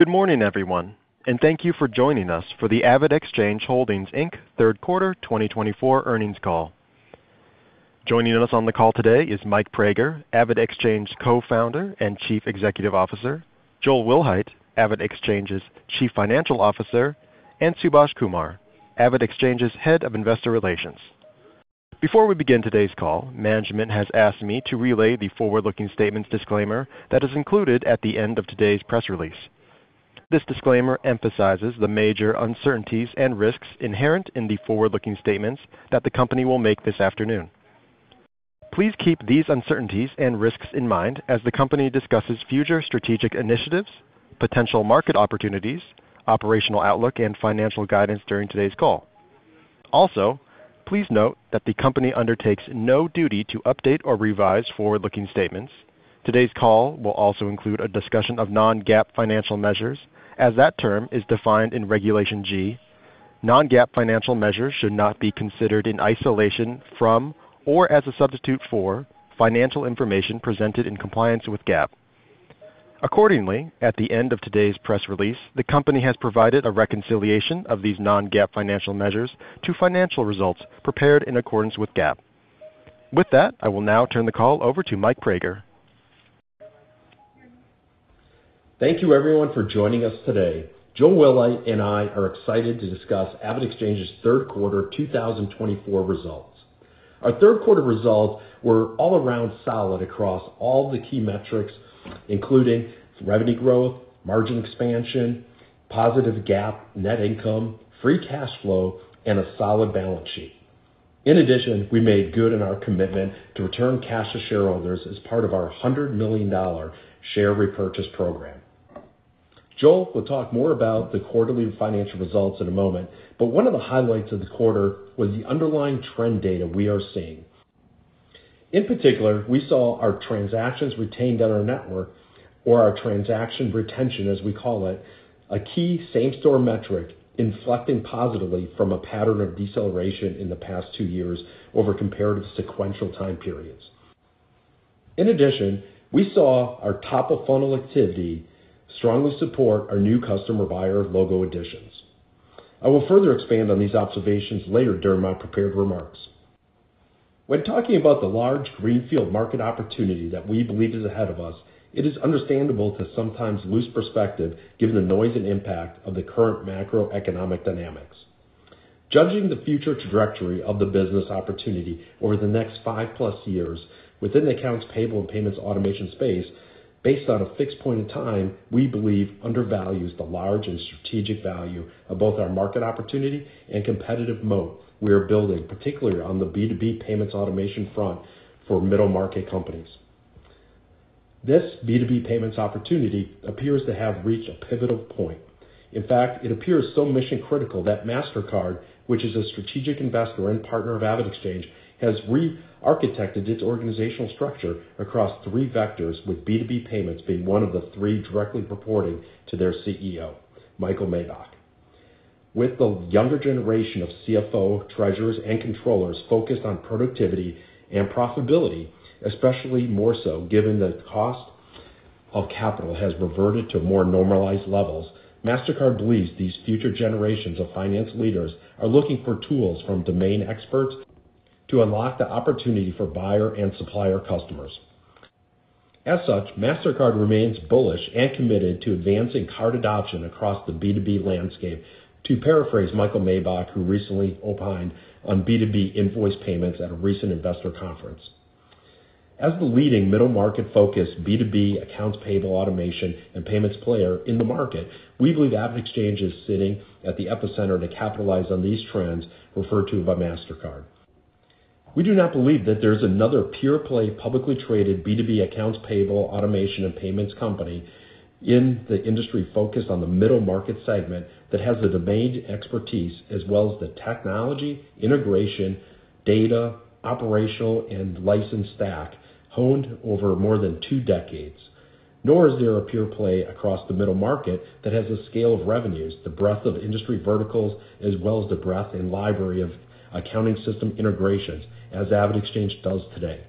Good morning, everyone, and thank you for joining us for the AvidXchange Holdings, Inc Third Quarter 2024 Earnings Call. Joining us on the call today is Mike Praeger, AvidXchange Co-founder and Chief Executive Officer, Joel Wilhite, AvidXchange's Chief Financial Officer, and Subhash Kumar, AvidXchange's Head of Investor Relations. Before we begin today's call, management has asked me to relay the forward-looking statements disclaimer that is included at the end of today's press release. This disclaimer emphasizes the major uncertainties and risks inherent in the forward-looking statements that the company will make this afternoon. Please keep these uncertainties and risks in mind as the company discusses future strategic initiatives, potential market opportunities, operational outlook, and financial guidance during today's call. Also, please note that the company undertakes no duty to update or revise forward-looking statements. Today's call will also include a discussion of non-GAAP financial measures, as that term is defined in Regulation G. Non-GAAP financial measures should not be considered in isolation from or as a substitute for financial information presented in compliance with GAAP. Accordingly, at the end of today's press release, the company has provided a reconciliation of these non-GAAP financial measures to financial results prepared in accordance with GAAP. With that, I will now turn the call over to Mike Praeger. Thank you, everyone, for joining us today. Joel Wilhite and I are excited to discuss AvidXchange's Q3 2024 results. Our Q3 results were all around solid across all the key metrics, including revenue growth, margin expansion, positive GAAP net income, free cash flow, and a solid balance sheet. In addition, we made good on our commitment to return cash to shareholders as part of our $100 million share repurchase program. Joel will talk more about the quarterly financial results in a moment, but one of the highlights of the quarter was the underlying trend data we are seeing. In particular, we saw our transactions retained on our network, or our transaction retention, as we call it, a key same-store metric inflecting positively from a pattern of deceleration in the past two years over comparative sequential time periods. In addition, we saw our top-of-funnel activity strongly support our new customer buyer logo additions. I will further expand on these observations later during my prepared remarks. When talking about the large greenfield market opportunity that we believe is ahead of us, it is understandable to sometimes lose perspective given the noise and impact of the current macroeconomic dynamics. Judging the future trajectory of the business opportunity over the next 5+ years within the accounts payable and payments automation space, based on a fixed point in time, we believe undervalues the large and strategic value of both our market opportunity and competitive moat we are building, particularly on the B2B payments automation front for middle-market companies. This B2B payments opportunity appears to have reached a pivotal point. In fact, it appears so mission-critical that Mastercard, which is a strategic investor and partner of AvidXchange, has re-architected its organizational structure across three vectors, with B2B payments being one of the three directly reporting to their CEO, Michael Miebach. With the younger generation of CFO, treasurers, and controllers focused on productivity and profitability, especially more so given the cost of capital has reverted to more normalized levels, Mastercard believes these future generations of finance leaders are looking for tools from domain experts to unlock the opportunity for buyer and supplier customers. As such, Mastercard remains bullish and committed to advancing card adoption across the B2B landscape, to paraphrase Michael Miebach, who recently opined on B2B invoice payments at a recent investor conference. As the leading middle-market-focused B2B accounts payable automation and payments player in the market, we believe AvidXchange is sitting at the epicenter to capitalize on these trends referred to by Mastercard. We do not believe that there is another pure-play publicly traded B2B accounts payable automation and payments company in the industry focused on the middle-market segment that has the domain expertise as well as the technology, integration, data, operational, and license stack honed over more than two decades. Nor is there a pure-play across the middle market that has the scale of revenues, the breadth of industry verticals, as well as the breadth and library of accounting system integrations as AvidXchange does today.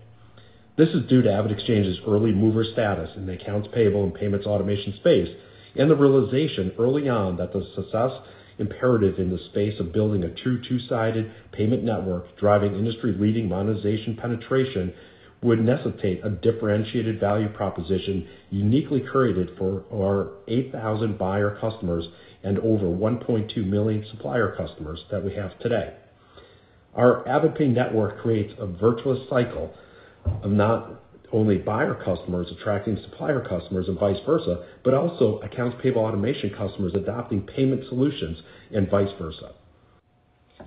This is due to AvidXchange's early mover status in the accounts payable and payments automation space and the realization early on that the success imperative in the space of building a true two-sided payment network driving industry-leading monetization penetration would necessitate a differentiated value proposition uniquely curated for our 8,000 buyer customers and over 1.2 million supplier customers that we have today. Our AvidPay network creates a virtuous cycle of not only buyer customers attracting supplier customers and vice versa, but also accounts payable automation customers adopting payment solutions and vice versa.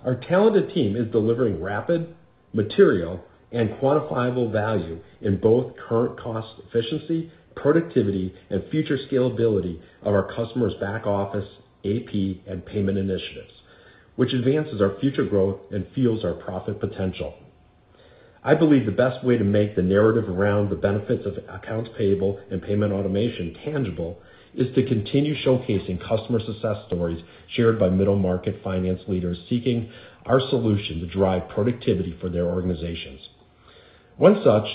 Our talented team is delivering rapid, material, and quantifiable value in both current cost efficiency, productivity, and future scalability of our customers' back office, AP, and payment initiatives, which advances our future growth and fuels our profit potential. I believe the best way to make the narrative around the benefits of accounts payable and payment automation tangible is to continue showcasing customer success stories shared by middle-market finance leaders seeking our solution to drive productivity for their organizations. One such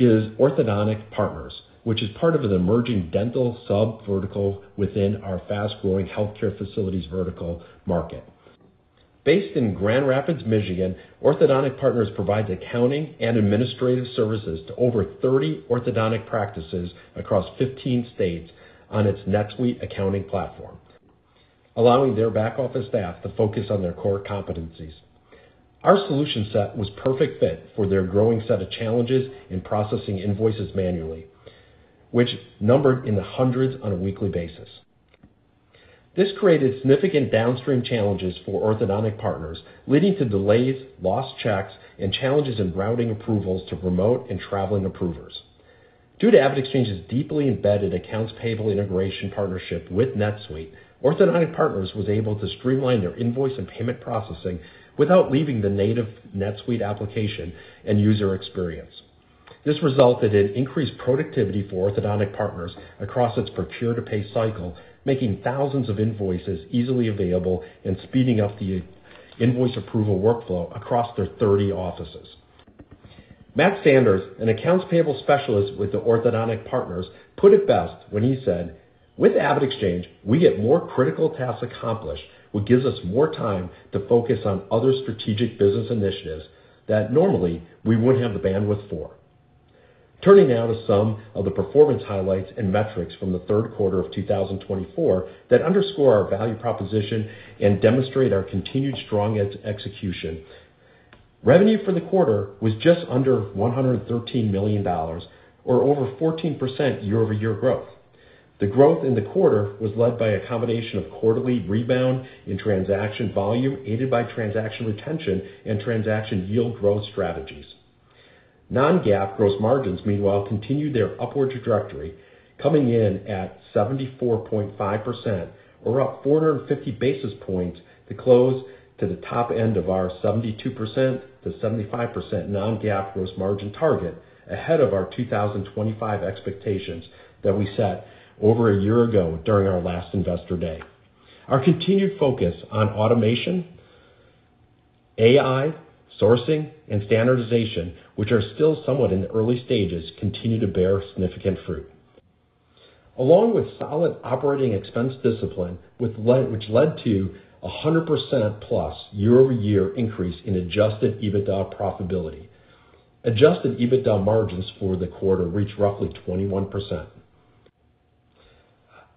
is Orthodontic Partners, which is part of an emerging dental subvertical within our fast-growing healthcare facilities vertical market. Based in Grand Rapids, Michigan, Orthodontic Partners provides accounting and administrative services to over 30 orthodontic practices across 15 states on its NetSuite accounting platform, allowing their back office staff to focus on their core competencies. Our solution set was a perfect fit for their growing set of challenges in processing invoices manually, which numbered in the hundreds on a weekly basis. This created significant downstream challenges for Orthodontic Partners, leading to delays, lost checks, and challenges in routing approvals to remote and traveling approvers. Due to AvidXchange's deeply embedded accounts payable integration partnership with NetSuite, Orthodontic Partners was able to streamline their invoice and payment processing without leaving the native NetSuite application and user experience. This resulted in increased productivity for Orthodontic Partners across its procure-to-pay cycle, making thousands of invoices easily available and speeding up the invoice approval workflow across their 30 offices. Matt Sanders, an accounts payable specialist with Orthodontic Partners, put it best when he said, "With AvidXchange, we get more critical tasks accomplished, which gives us more time to focus on other strategic business initiatives that normally we wouldn't have the bandwidth for." Turning now to some of the performance highlights and metrics from the Q3 of 2024 that underscore our value proposition and demonstrate our continued strong execution, revenue for the quarter was just under $113 million, or over 14% year-over-year growth. The growth in the quarter was led by a combination of quarterly rebound in transaction volume aided by transaction retention and transaction yield growth strategies. Non-GAAP gross margins, meanwhile, continued their upward trajectory, coming in at 74.5%, or up 450 basis points to close to the top end of our 72%-75% non-GAAP gross margin target ahead of our 2025 expectations that we set over a year ago during our last investor day. Our continued focus on automation, AI, sourcing, and standardization, which are still somewhat in the early stages, continued to bear significant fruit, along with solid operating expense discipline, which led to a 100%+ year-over-year increase in Adjusted EBITDA profitability. Adjusted EBITDA margins for the quarter reached roughly 21%.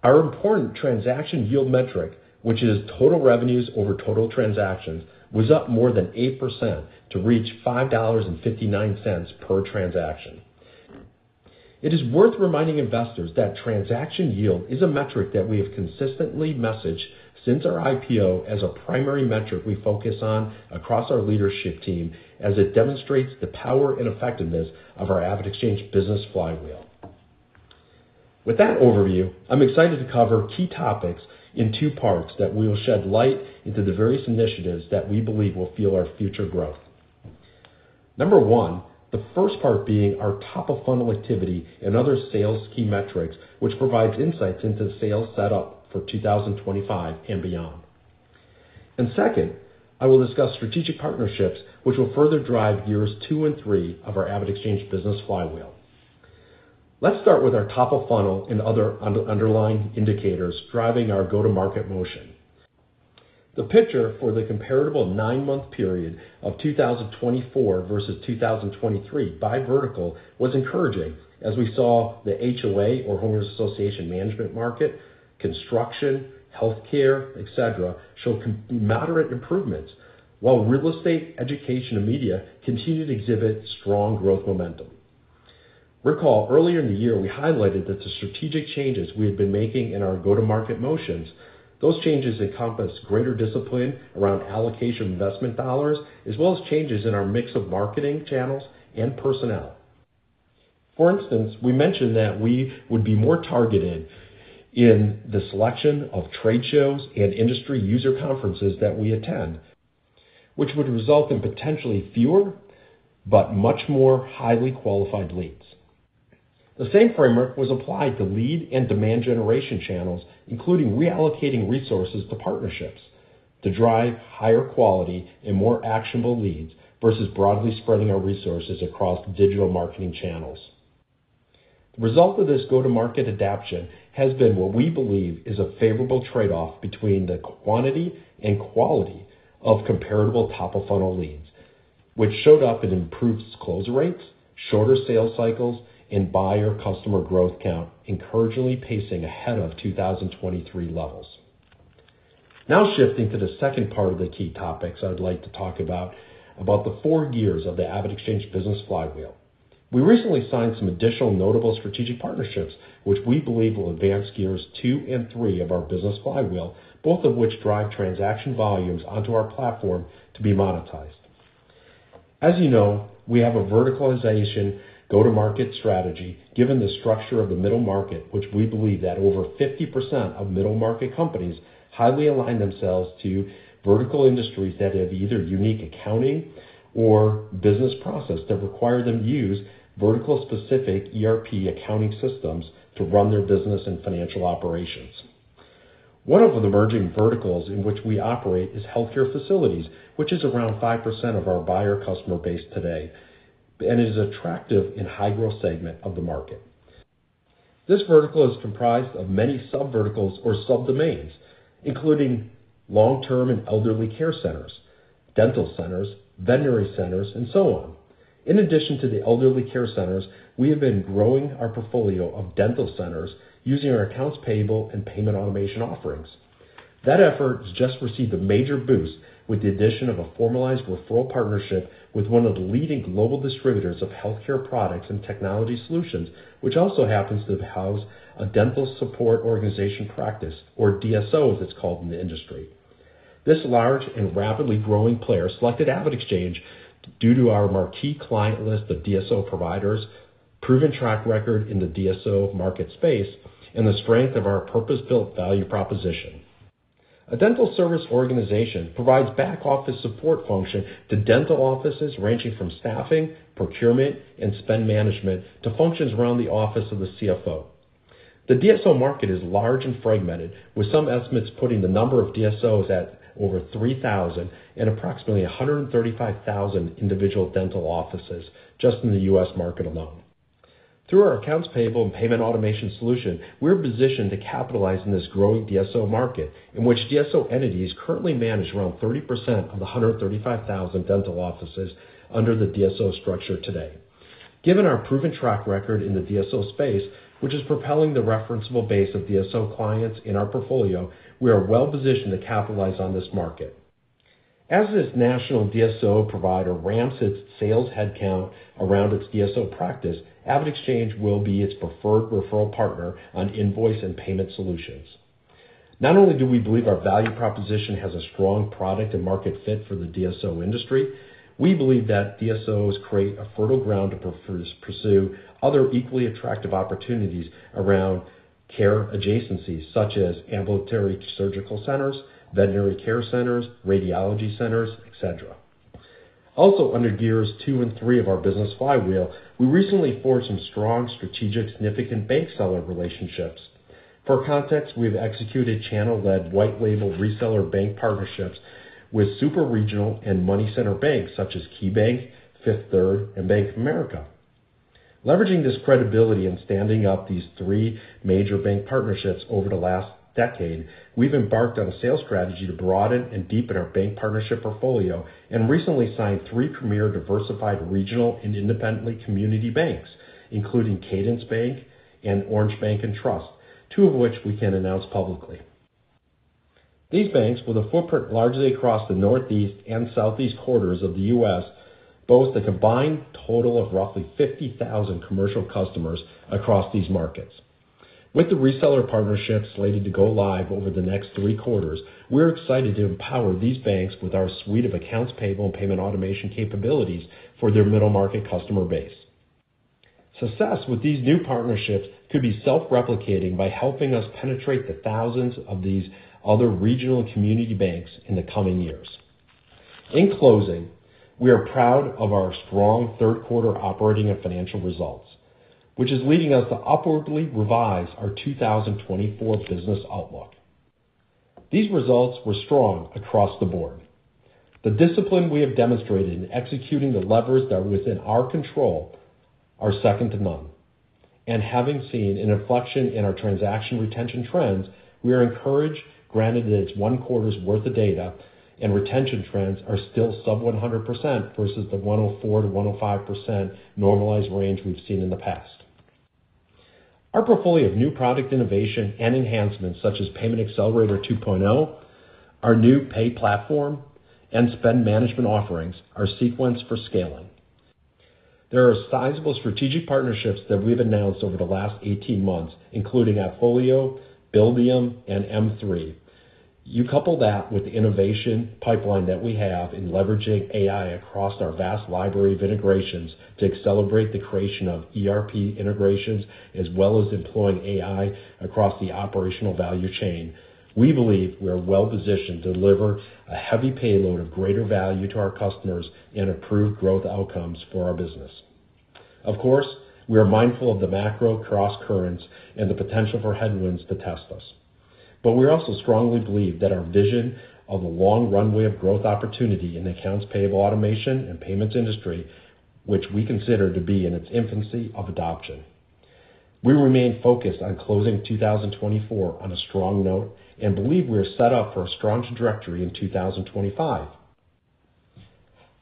Our important transaction yield metric, which is total revenues over total transactions, was up more than 8% to reach $5.59 per transaction. It is worth reminding investors that transaction yield is a metric that we have consistently messaged since our IPO as a primary metric we focus on across our leadership team, as it demonstrates the power and effectiveness of our AvidXchange business flywheel. With that overview, I'm excited to cover key topics in two parts that will shed light into the various initiatives that we believe will fuel our future growth. Number one, the first part being our top-of-funnel activity and other sales key metrics, which provides insights into sales setup for 2025 and beyond, and second, I will discuss strategic partnerships, which will further drive years two and three of our AvidXchange business flywheel. Let's start with our top-of-funnel and other underlying indicators driving our go-to-market motion. The picture for the comparable nine-month period of 2024 versus 2023 by vertical was encouraging, as we saw the HOA, or Homeowners Association Management, market, construction, healthcare, etc., show moderate improvements, while real estate, education, and media continue to exhibit strong growth momentum. Recall, earlier in the year, we highlighted that the strategic changes we had been making in our go-to-market motions, those changes encompassed greater discipline around allocation of investment dollars, as well as changes in our mix of marketing channels and personnel. For instance, we mentioned that we would be more targeted in the selection of trade shows and industry user conferences that we attend, which would result in potentially fewer but much more highly qualified leads. The same framework was applied to lead and demand generation channels, including reallocating resources to partnerships to drive higher quality and more actionable leads versus broadly spreading our resources across digital marketing channels. The result of this go-to-market adaption has been what we believe is a favorable trade-off between the quantity and quality of comparable top-of-funnel leads, which showed up in improved disclosure rates, shorter sales cycles, and buyer customer growth count, encouragingly pacing ahead of 2023 levels. Now shifting to the second part of the key topics I'd like to talk about, about the four years of the AvidXchange business flywheel. We recently signed some additional notable strategic partnerships, which we believe will advance years two and three of our business flywheel, both of which drive transaction volumes onto our platform to be monetized. As you know, we have a verticalization go-to-market strategy given the structure of the middle market, which we believe that over 50% of middle market companies highly align themselves to vertical industries that have either unique accounting or business process that require them to use vertical-specific ERP accounting systems to run their business and financial operations. One of the emerging verticals in which we operate is healthcare facilities, which is around 5% of our buyer customer base today and is attractive in a high-growth segment of the market. This vertical is comprised of many sub-verticals or sub-domains, including long-term and elderly care centers, dental centers, veterinary centers, and so on. In addition to the elderly care centers, we have been growing our portfolio of dental centers using our accounts payable and payment automation offerings. That effort has just received a major boost with the addition of a formalized referral partnership with one of the leading global distributors of healthcare products and technology solutions, which also happens to house a dental support organization practice, or DSO, as it's called in the industry. This large and rapidly growing player selected AvidXchange due to our marquee client list of DSO providers, proven track record in the DSO market space, and the strength of our purpose-built value proposition. A dental support organization provides back office support function to dental offices ranging from staffing, procurement, and spend management to functions around the office of the CFO. The DSO market is large and fragmented, with some estimates putting the number of DSOs at over 3,000 and approximately 135,000 individual dental offices just in the US market alone. Through our accounts payable and payment automation solution, we are positioned to capitalize on this growing DSO market, in which DSO entities currently manage around 30% of the 135,000 dental offices under the DSO structure today. Given our proven track record in the DSO space, which is propelling the referenceable base of DSO clients in our portfolio, we are well positioned to capitalize on this market. As this national DSO provider ramps its sales headcount around its DSO practice, AvidXchange will be its preferred referral partner on invoice and payment solutions. Not only do we believe our value proposition has a strong product and market fit for the DSO industry, we believe that DSOs create a fertile ground to pursue other equally attractive opportunities around care adjacencies, such as ambulatory surgical centers, veterinary care centers, radiology centers, etc. Also, under years two and three of our business flywheel, we recently forged some strong strategic significant bank channel relationships. For context, we have executed channel-led white-label reseller bank partnerships with super regional and money center banks such as KeyBank, Fifth Third, and Bank of America. Leveraging this credibility and standing up these three major bank partnerships over the last decade, we've embarked on a sales strategy to broaden and deepen our bank partnership portfolio and recently signed three premier diversified regional and independent community banks, including Cadence Bank and Orange Bank & Trust, two of which we can announce publicly. These banks, with a footprint largely across the northeast and southeast quarters of the U.S., boast a combined total of roughly 50,000 commercial customers across these markets. With the reseller partnerships slated to go live over the next three quarters, we're excited to empower these banks with our suite of accounts payable and payment automation capabilities for their middle market customer base. Success with these new partnerships could be self-replicating by helping us penetrate the thousands of these other regional and community banks in the coming years. In closing, we are proud of our strong Q3 operating and financial results, which is leading us to upwardly revise our 2024 business outlook. These results were strong across the board. The discipline we have demonstrated in executing the levers that are within our control are second to none. And having seen an inflection in our transaction retention trends, we are encouraged, granted that it's one quarter's worth of data, and retention trends are still sub 100% versus the 104%-105% normalized range we've seen in the past. Our portfolio of new product innovation and enhancements, such as Payment Accelerator 2.0, our new pay platform, and spend management offerings, are sequenced for scaling. There are sizable strategic partnerships that we've announced over the last 18 months, including AppFolio, Buildium, and M3. You couple that with the innovation pipeline that we have in leveraging AI across our vast library of integrations to accelerate the creation of ERP integrations, as well as employing AI across the operational value chain, we believe we are well positioned to deliver a heavy payload of greater value to our customers and improve growth outcomes for our business. Of course, we are mindful of the macro cross-currents and the potential for headwinds to test us. But we also strongly believe that our vision of a long runway of growth opportunity in accounts payable automation and payments industry, which we consider to be in its infancy of adoption. We remain focused on closing 2024 on a strong note and believe we are set up for a strong trajectory in 2025.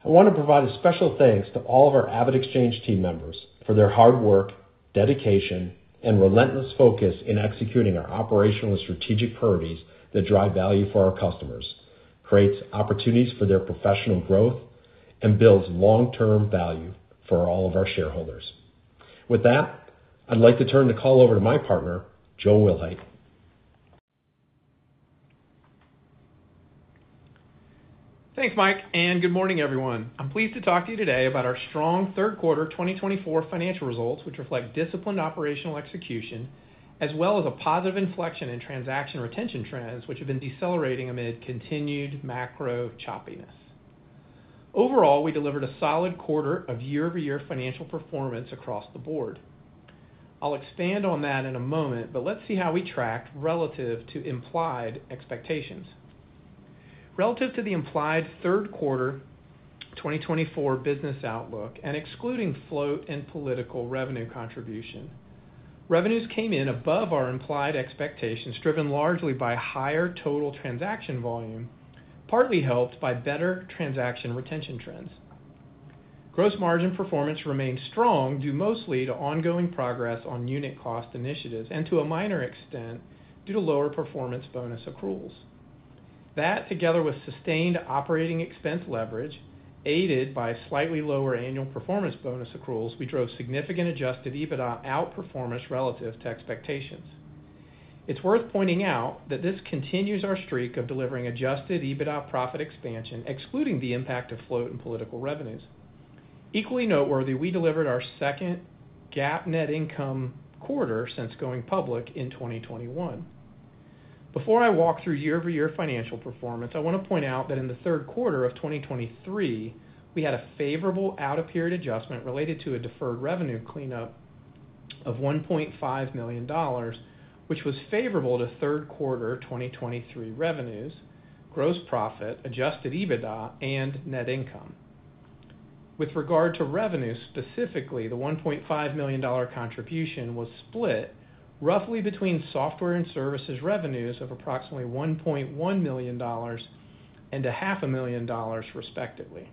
I want to provide a special thanks to all of our AvidXchange team members for their hard work, dedication, and relentless focus in executing our operational and strategic priorities that drive value for our customers, create opportunities for their professional growth, and build long-term value for all of our shareholders. With that, I'd like to turn the call over to my partner, Joel Wilhite. Thanks, Mike, and good morning, everyone. I'm pleased to talk to you today about our strong Q3 2024 financial results, which reflect disciplined operational execution, as well as a positive inflection in transaction retention trends, which have been decelerating amid continued macro choppiness. Overall, we delivered a solid quarter of year-over-year financial performance across the board. I'll expand on that in a moment, but let's see how we tracked relative to implied expectations. Relative to the implied Q3 2024 business outlook, and excluding float and political revenue contribution, revenues came in above our implied expectations, driven largely by higher total transaction volume, partly helped by better transaction retention trends. Gross margin performance remained strong due mostly to ongoing progress on unit cost initiatives and, to a minor extent, due to lower performance bonus accruals. That, together with sustained operating expense leverage, aided by slightly lower annual performance bonus accruals, we drove significant Adjusted EBITDA outperformance relative to expectations. It's worth pointing out that this continues our streak of delivering Adjusted EBITDA profit expansion, excluding the impact of float and political revenues. Equally noteworthy, we delivered our second GAAP net income quarter since going public in 2021. Before I walk through year-over-year financial performance, I want to point out that in Q3 of 2023, we had a favorable out-of-period adjustment related to a deferred revenue cleanup of $1.5 million, which was favorable to Q3 2023 revenues, gross profit, Adjusted EBITDA, and net income. With regard to revenues, specifically, the $1.5 million contribution was split roughly between software and services revenues of approximately $1.1 million and $500,000, respectively.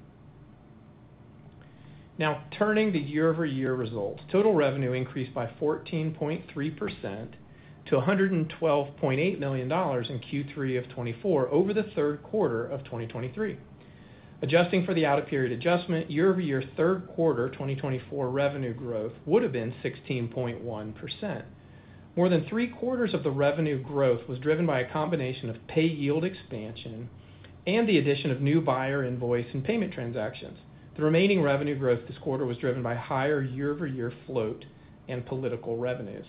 Now, turning to the year-over-year results, total revenue increased by 14.3% to $112.8 million in Q3 of 2024 over the Q3 of 2023. Adjusting for the out-of-period adjustment, year-over-year Q3 2024 revenue growth would have been 16.1%. More than three quarters of the revenue growth was driven by a combination of pay yield expansion and the addition of new buyer invoice and payment transactions. The remaining revenue growth this quarter was driven by higher year-over-year float and political revenues.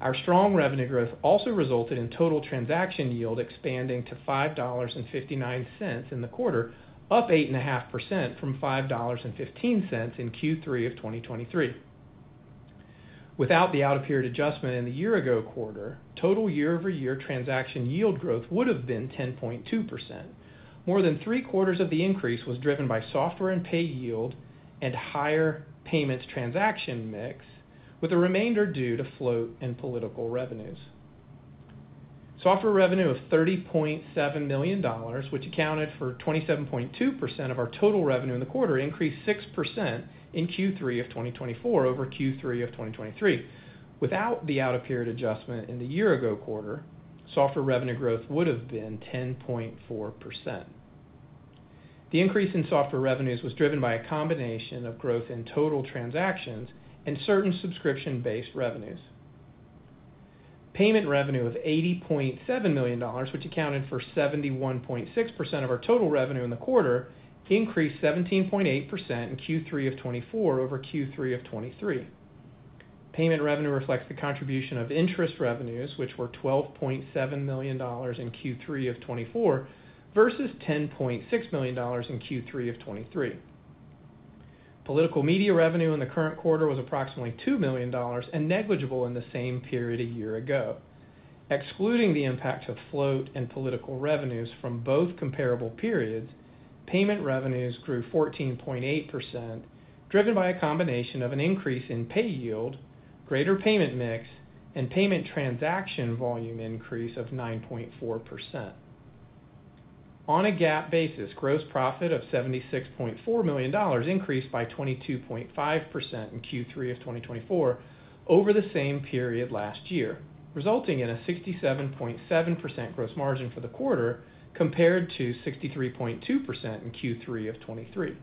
Our strong revenue growth also resulted in total transaction yield expanding to $5.59 in the quarter, up 8.5% from $5.15 in Q3 of 2023. Without the out-of-period adjustment in the year-ago quarter, total year-over-year transaction yield growth would have been 10.2%. More than three quarters of the increase was driven by software and pay yield and higher payments transaction mix, with the remainder due to float and political revenues. Software revenue of $30.7 million, which accounted for 27.2% of our total revenue in the quarter, increased 6% in Q3 of 2024 over Q3 of 2023. Without the out-of-period adjustment in the year-ago quarter, software revenue growth would have been 10.4%. The increase in software revenues was driven by a combination of growth in total transactions and certain subscription-based revenues. Payment revenue of $80.7 million, which accounted for 71.6% of our total revenue in the quarter, increased 17.8% in Q3 of 2024 over Q3 of 2023. Payment revenue reflects the contribution of interest revenues, which were $12.7 million in Q3 of 2024 versus $10.6 million in Q3 of 2023. Political media revenue in the current quarter was approximately $2 million and negligible in the same period a year ago. Excluding the impact of float and political revenues from both comparable periods, payment revenues grew 14.8%, driven by a combination of an increase in pay yield, greater payment mix, and payment transaction volume increase of 9.4%. On a GAAP basis, gross profit of $76.4 million increased by 22.5% in Q3 of 2024 over the same period last year, resulting in a 67.7% gross margin for the quarter compared to 63.2% in Q3 of 2023.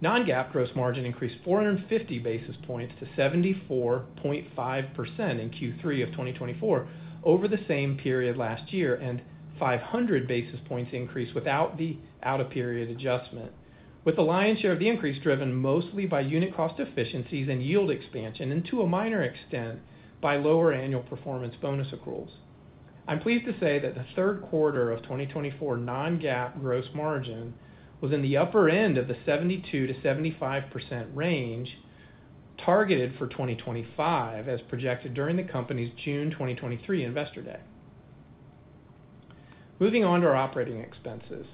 Non-GAAP gross margin increased 450 basis points to 74.5% in Q3 of 2024 over the same period last year, and 500 basis points increased without the out-of-period adjustment, with the lion's share of the increase driven mostly by unit cost efficiencies and yield expansion, and to a minor extent by lower annual performance bonus accruals. I'm pleased to say that the Q3 of 2024 non-GAAP gross margin was in the upper end of the 72%-75% range targeted for 2025, as projected during the company's June 2023 Investor Day. Moving on to our operating expenses.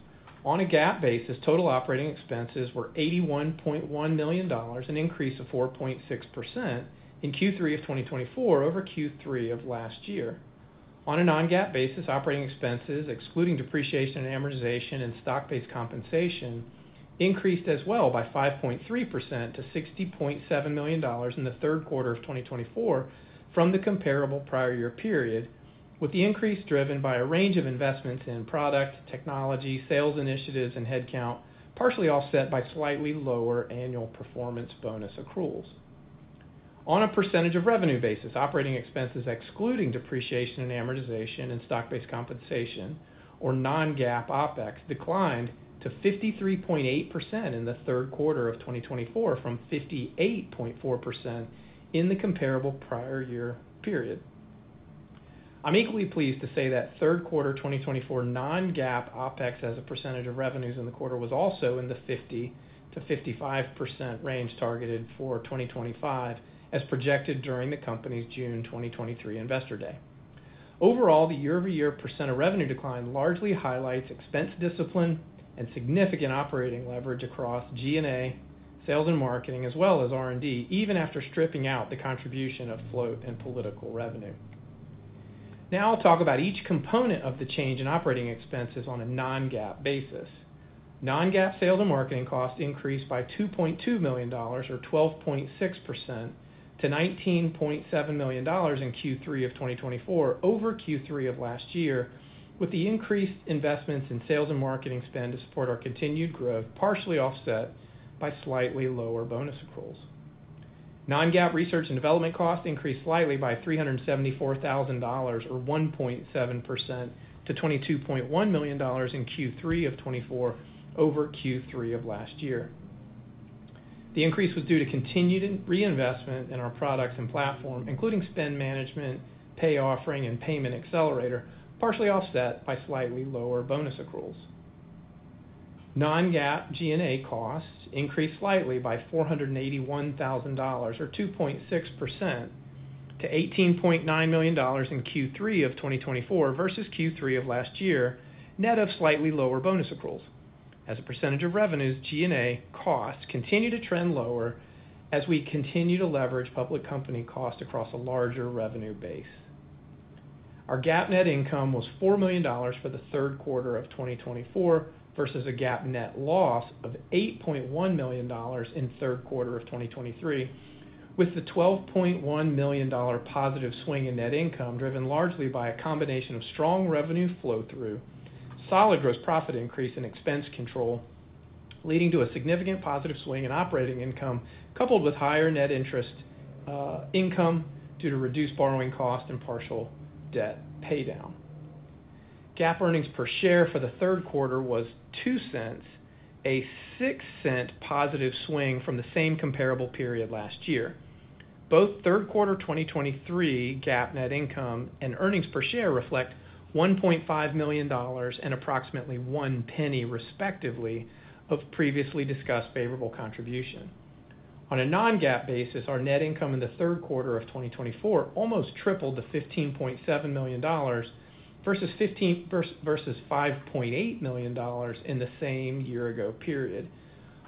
On a GAAP basis, total operating expenses were $81.1 million and increased to 4.6% in Q3 of 2024 over Q3 of last year. On a non-GAAP basis, operating expenses, excluding depreciation and amortization and stock-based compensation, increased as well by 5.3% to $60.7 million in the Q3 of 2024 from the comparable prior year period, with the increase driven by a range of investments in product, technology, sales initiatives, and headcount, partially offset by slightly lower annual performance bonus accruals. On a percentage of revenue basis, operating expenses, excluding depreciation and amortization and stock-based compensation, or non-GAAP OpEx, declined to 53.8% in the Q3 of 2024 from 58.4% in the comparable prior year period. I'm equally pleased to say that Q3 2024 non-GAAP OpEx as a percentage of revenues in the quarter was also in the 50%-55% range targeted for 2025, as projected during the company's June 2023 Investor Day. Overall, the year-over-year % of revenue decline largely highlights expense discipline and significant operating leverage across G&A, sales and marketing, as well as R&D, even after stripping out the contribution of float and political revenue. Now I'll talk about each component of the change in operating expenses on a non-GAAP basis. Non-GAAP sales and marketing costs increased by $2.2 million, or 12.6%, to $19.7 million in Q3 of 2024 over Q3 of last year, with the increased investments in sales and marketing spend to support our continued growth partially offset by slightly lower bonus accruals. Non-GAAP research and development costs increased slightly by $374,000, or 1.7%, to $22.1 million in Q3 of 2024 over Q3 of last year. The increase was due to continued reinvestment in our products and platform, including spend management, pay offering, and payment accelerator, partially offset by slightly lower bonus accruals. Non-GAAP G&A costs increased slightly by $481,000, or 2.6%, to $18.9 million in Q3 of 2024 versus Q3 of last year, net of slightly lower bonus accruals. As a percentage of revenues, G&A costs continue to trend lower as we continue to leverage public company costs across a larger revenue base. Our GAAP net income was $4 million for the Q3 of 2024 versus a GAAP net loss of $8.1 million in Q3 of 2023, with the $12.1 million positive swing in net income driven largely by a combination of strong revenue flow-through, solid gross profit increase, and expense control, leading to a significant positive swing in operating income, coupled with higher net interest income due to reduced borrowing cost and partial debt paydown. GAAP earnings per share for the Q3 was $0.02, a $0.06 positive swing from the same comparable period last year. Both Q3 2023 GAAP net income and earnings per share reflect $1.5 million and approximately $0.01, respectively, of previously discussed favorable contribution. On a non-GAAP basis, our net income in the Q3 of 2024 almost tripled to $15.7 million versus $5.8 million in the same year-ago period,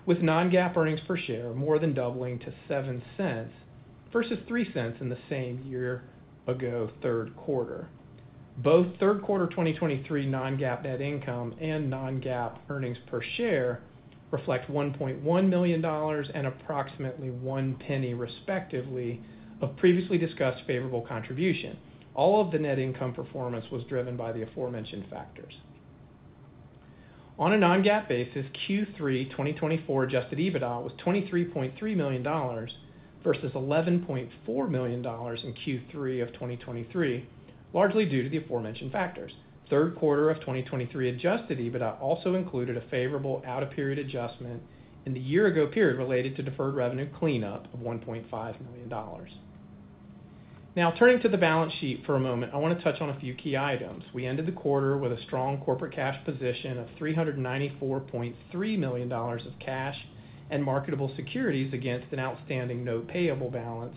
with non-GAAP earnings per share more than doubling to $0.07 versus $0.03 in the same year-ago Q3. Both Q3 2023 non-GAAP net income and non-GAAP earnings per share reflect $1.1 million and approximately $0.01, respectively, of previously discussed favorable contribution. All of the net income performance was driven by the aforementioned factors. On a non-GAAP basis, Q3 2024 Adjusted EBITDA was $23.3 million versus $11.4 million in Q3 of 2023, largely due to the aforementioned factors. Q3 of 2023 Adjusted EBITDA also included a favorable out-of-period adjustment in the year-ago period related to deferred revenue cleanup of $1.5 million. Now, turning to the balance sheet for a moment, I want to touch on a few key items. We ended the quarter with a strong corporate cash position of $394.3 million of cash and marketable securities against an outstanding note payable balance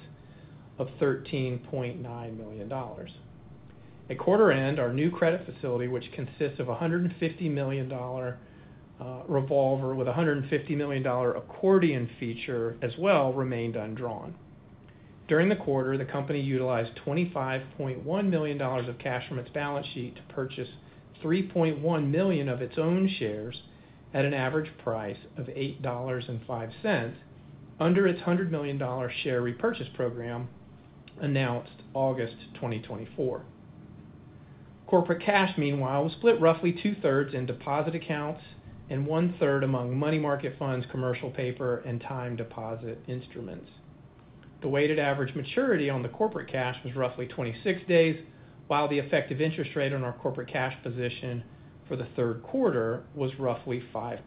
of $13.9 million. At quarter end, our new credit facility, which consists of a $150 million revolver with a $150 million accordion feature, as well, remained undrawn. During the quarter, the company utilized $25.1 million of cash from its balance sheet to purchase $3.1 million of its own shares at an average price of $8.05 under its $100 million share repurchase program announced August 2024. Corporate cash, meanwhile, was split roughly two-thirds in deposit accounts and one-third among money market funds, commercial paper, and time deposit instruments. The weighted average maturity on the corporate cash was roughly 26 days, while the effective interest rate on our corporate cash position for the Q3 was roughly 5%.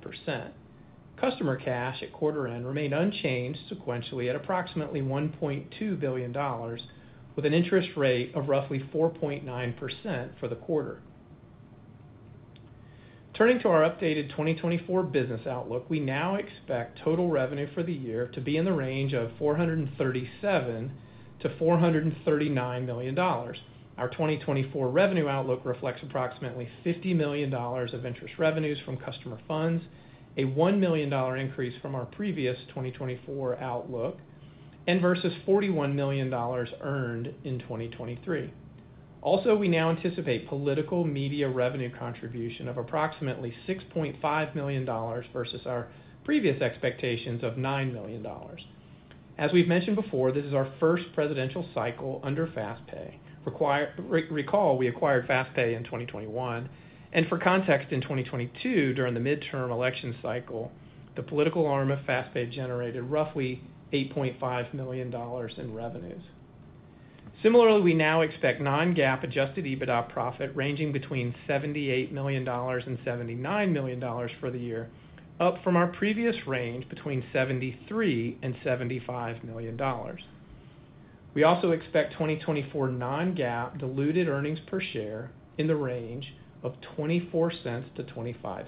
Customer cash at quarter end remained unchanged sequentially at approximately $1.2 billion, with an interest rate of roughly 4.9% for the quarter. Turning to our updated 2024 business outlook, we now expect total revenue for the year to be in the range of $437 million-$439 million. Our 2024 revenue outlook reflects approximately $50 million of interest revenues from customer funds, a $1 million increase from our previous 2024 outlook, and versus $41 million earned in 2023. Also, we now anticipate political media revenue contribution of approximately $6.5 million versus our previous expectations of $9 million. As we've mentioned before, this is our first presidential cycle under FastPay. Recall we acquired FastPay in 2021. And for context, in 2022, during the midterm election cycle, the political arm of FastPay generated roughly $8.5 million in revenues. Similarly, we now expect non-GAAP Adjusted EBITDA profit ranging between $78 million and $79 million for the year, up from our previous range between $73 million and $75 million. We also expect 2024 non-GAAP diluted earnings per share in the range of $0.24-$0.25.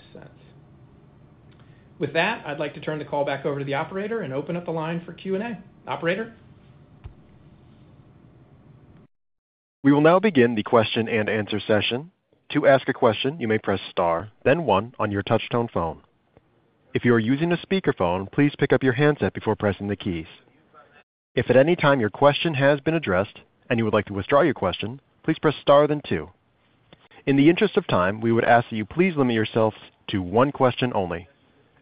With that, I'd like to turn the call back over to the operator and open up the line for Q&A. Operator. We will now begin the question and answer session. To ask a question, you may press star, then one on your touch-tone phone. If you are using a speakerphone, please pick up your handset before pressing the keys. If at any time your question has been addressed and you would like to withdraw your question, please press star, then two. In the interest of time, we would ask that you please limit yourself to one question only.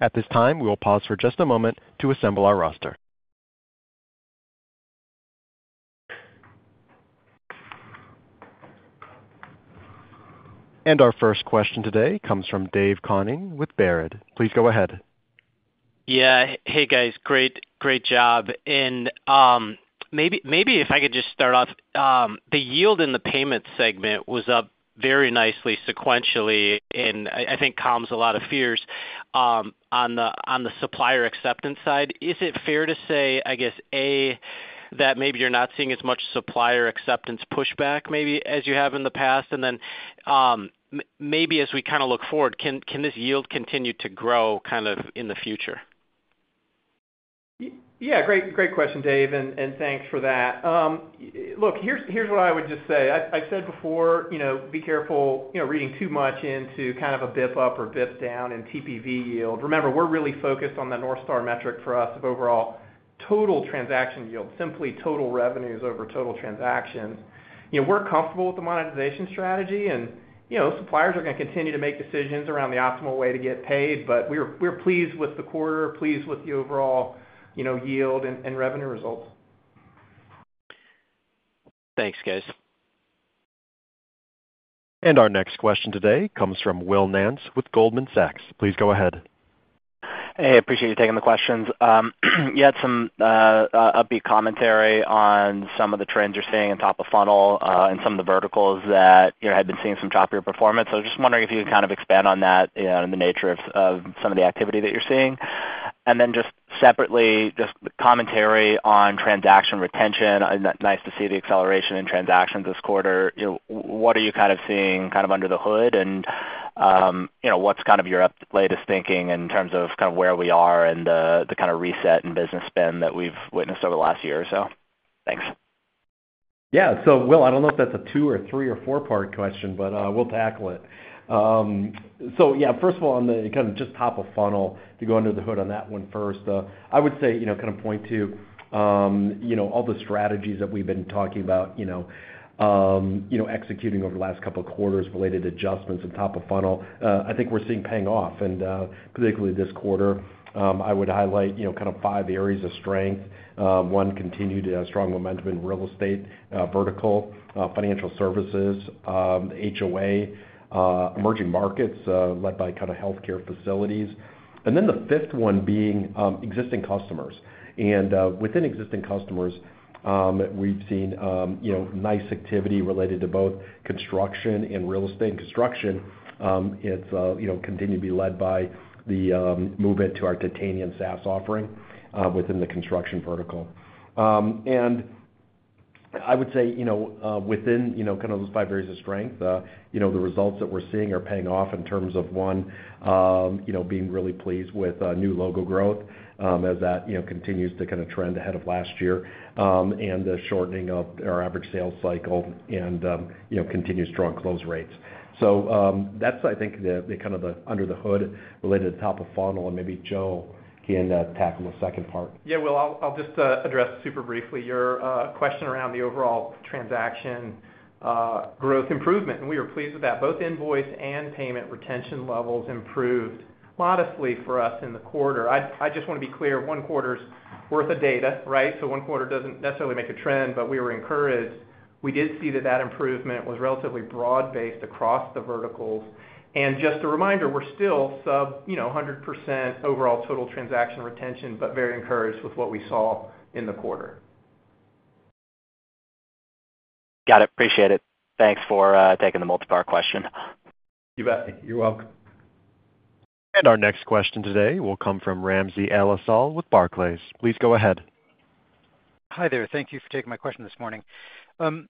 At this time, we will pause for just a moment to assemble our roster, and our first question today comes from Dave Koning with Baird. Please go ahead. Yeah. Hey, guys. Great, great job. And maybe if I could just start off, the yield in the payment segment was up very nicely sequentially, and I think calms a lot of fears on the supplier acceptance side. Is it fair to say, I guess, A, that maybe you're not seeing as much supplier acceptance pushback maybe as you have in the past? And then maybe as we kind of look forward, can this yield continue to grow kind of in the future? Yeah. Great question, Dave, and thanks for that. Look, here's what I would just say. I've said before, be careful reading too much into kind of a blip up or blip down in TPV yield. Remember, we're really focused on the North Star metric for us of overall total transaction yield, simply total revenues over total transactions. We're comfortable with the monetization strategy, and suppliers are going to continue to make decisions around the optimal way to get paid, but we're pleased with the quarter, pleased with the overall yield and revenue results. Thanks, guys. And our next question today comes from Will Nance with Goldman Sachs. Please go ahead. Hey, I appreciate you taking the questions. You had some upbeat commentary on some of the trends you're seeing in top of funnel and some of the verticals that had been seeing some choppier performance. I was just wondering if you could kind of expand on that and the nature of some of the activity that you're seeing. And then just separately, just commentary on transaction retention. Nice to see the acceleration in transactions this quarter. What are you kind of seeing kind of under the hood, and what's kind of your latest thinking in terms of kind of where we are and the kind of reset in business spend that we've witnessed over the last year or so? Thanks. Yeah. So, Will, I don't know if that's a two or three or four-part question, but we'll tackle it. So, yeah, first of all, on the kind of just top of funnel, to go under the hood on that one first, I would say kind of point to all the strategies that we've been talking about executing over the last couple of quarters related to adjustments in top of funnel. I think we're seeing paying off, and particularly this quarter, I would highlight kind of five areas of strength. One, continued strong momentum in real estate vertical, financial services, HOA, emerging markets led by kind of healthcare facilities. And then the fifth one being existing customers. And within existing customers, we've seen nice activity related to both construction and real estate. And construction, it's continued to be led by the movement to our Titanium SaaS offering within the construction vertical. And I would say within kind of those five areas of strength, the results that we're seeing are paying off in terms of, one, being really pleased with new logo growth as that continues to kind of trend ahead of last year and the shortening of our average sales cycle and continued strong close rates. So that's, I think, the kind of the under the hood related to top of funnel, and maybe Joe can tackle the second part. Yeah. Well, I'll just address super briefly your question around the overall transaction growth improvement. And we are pleased with that. Both invoice and payment retention levels improved modestly for us in the quarter. I just want to be clear, one quarter's worth of data, right? So one quarter doesn't necessarily make a trend, but we were encouraged. We did see that that improvement was relatively broad-based across the verticals. And just a reminder, we're still sub 100% overall total transaction retention, but very encouraged with what we saw in the quarter. Got it. Appreciate it. Thanks for taking the multi-part question. You bet. You're welcome. And our next question today will come from Ramsey El-Assal with Barclays. Please go ahead. Hi there. Thank you for taking my question this morning. Can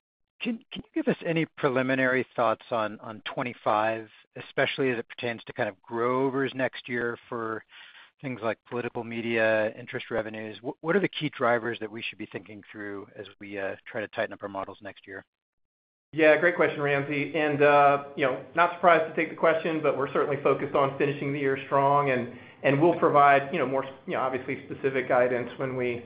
you give us any preliminary thoughts on 2025, especially as it pertains to kind of growth levers next year for things like political media, interest revenues? What are the key drivers that we should be thinking through as we try to tighten up our models next year? Yeah. Great question, Ramsey. And not surprised to take the question, but we're certainly focused on finishing the year strong, and we'll provide more obviously specific guidance when we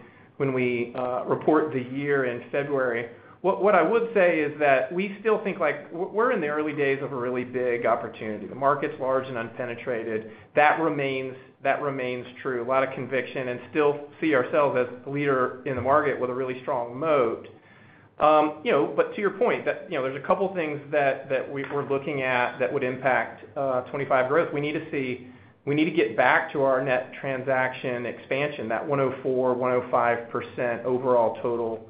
report the year in February. What I would say is that we still think we're in the early days of a really big opportunity. The market's large and unpenetrated. That remains true. A lot of conviction and still see ourselves as a leader in the market with a really strong moat. But to your point, there's a couple of things that we're looking at that would impact 2025 growth. We need to see, we need to get back to our net transaction expansion. That 104%-105% overall total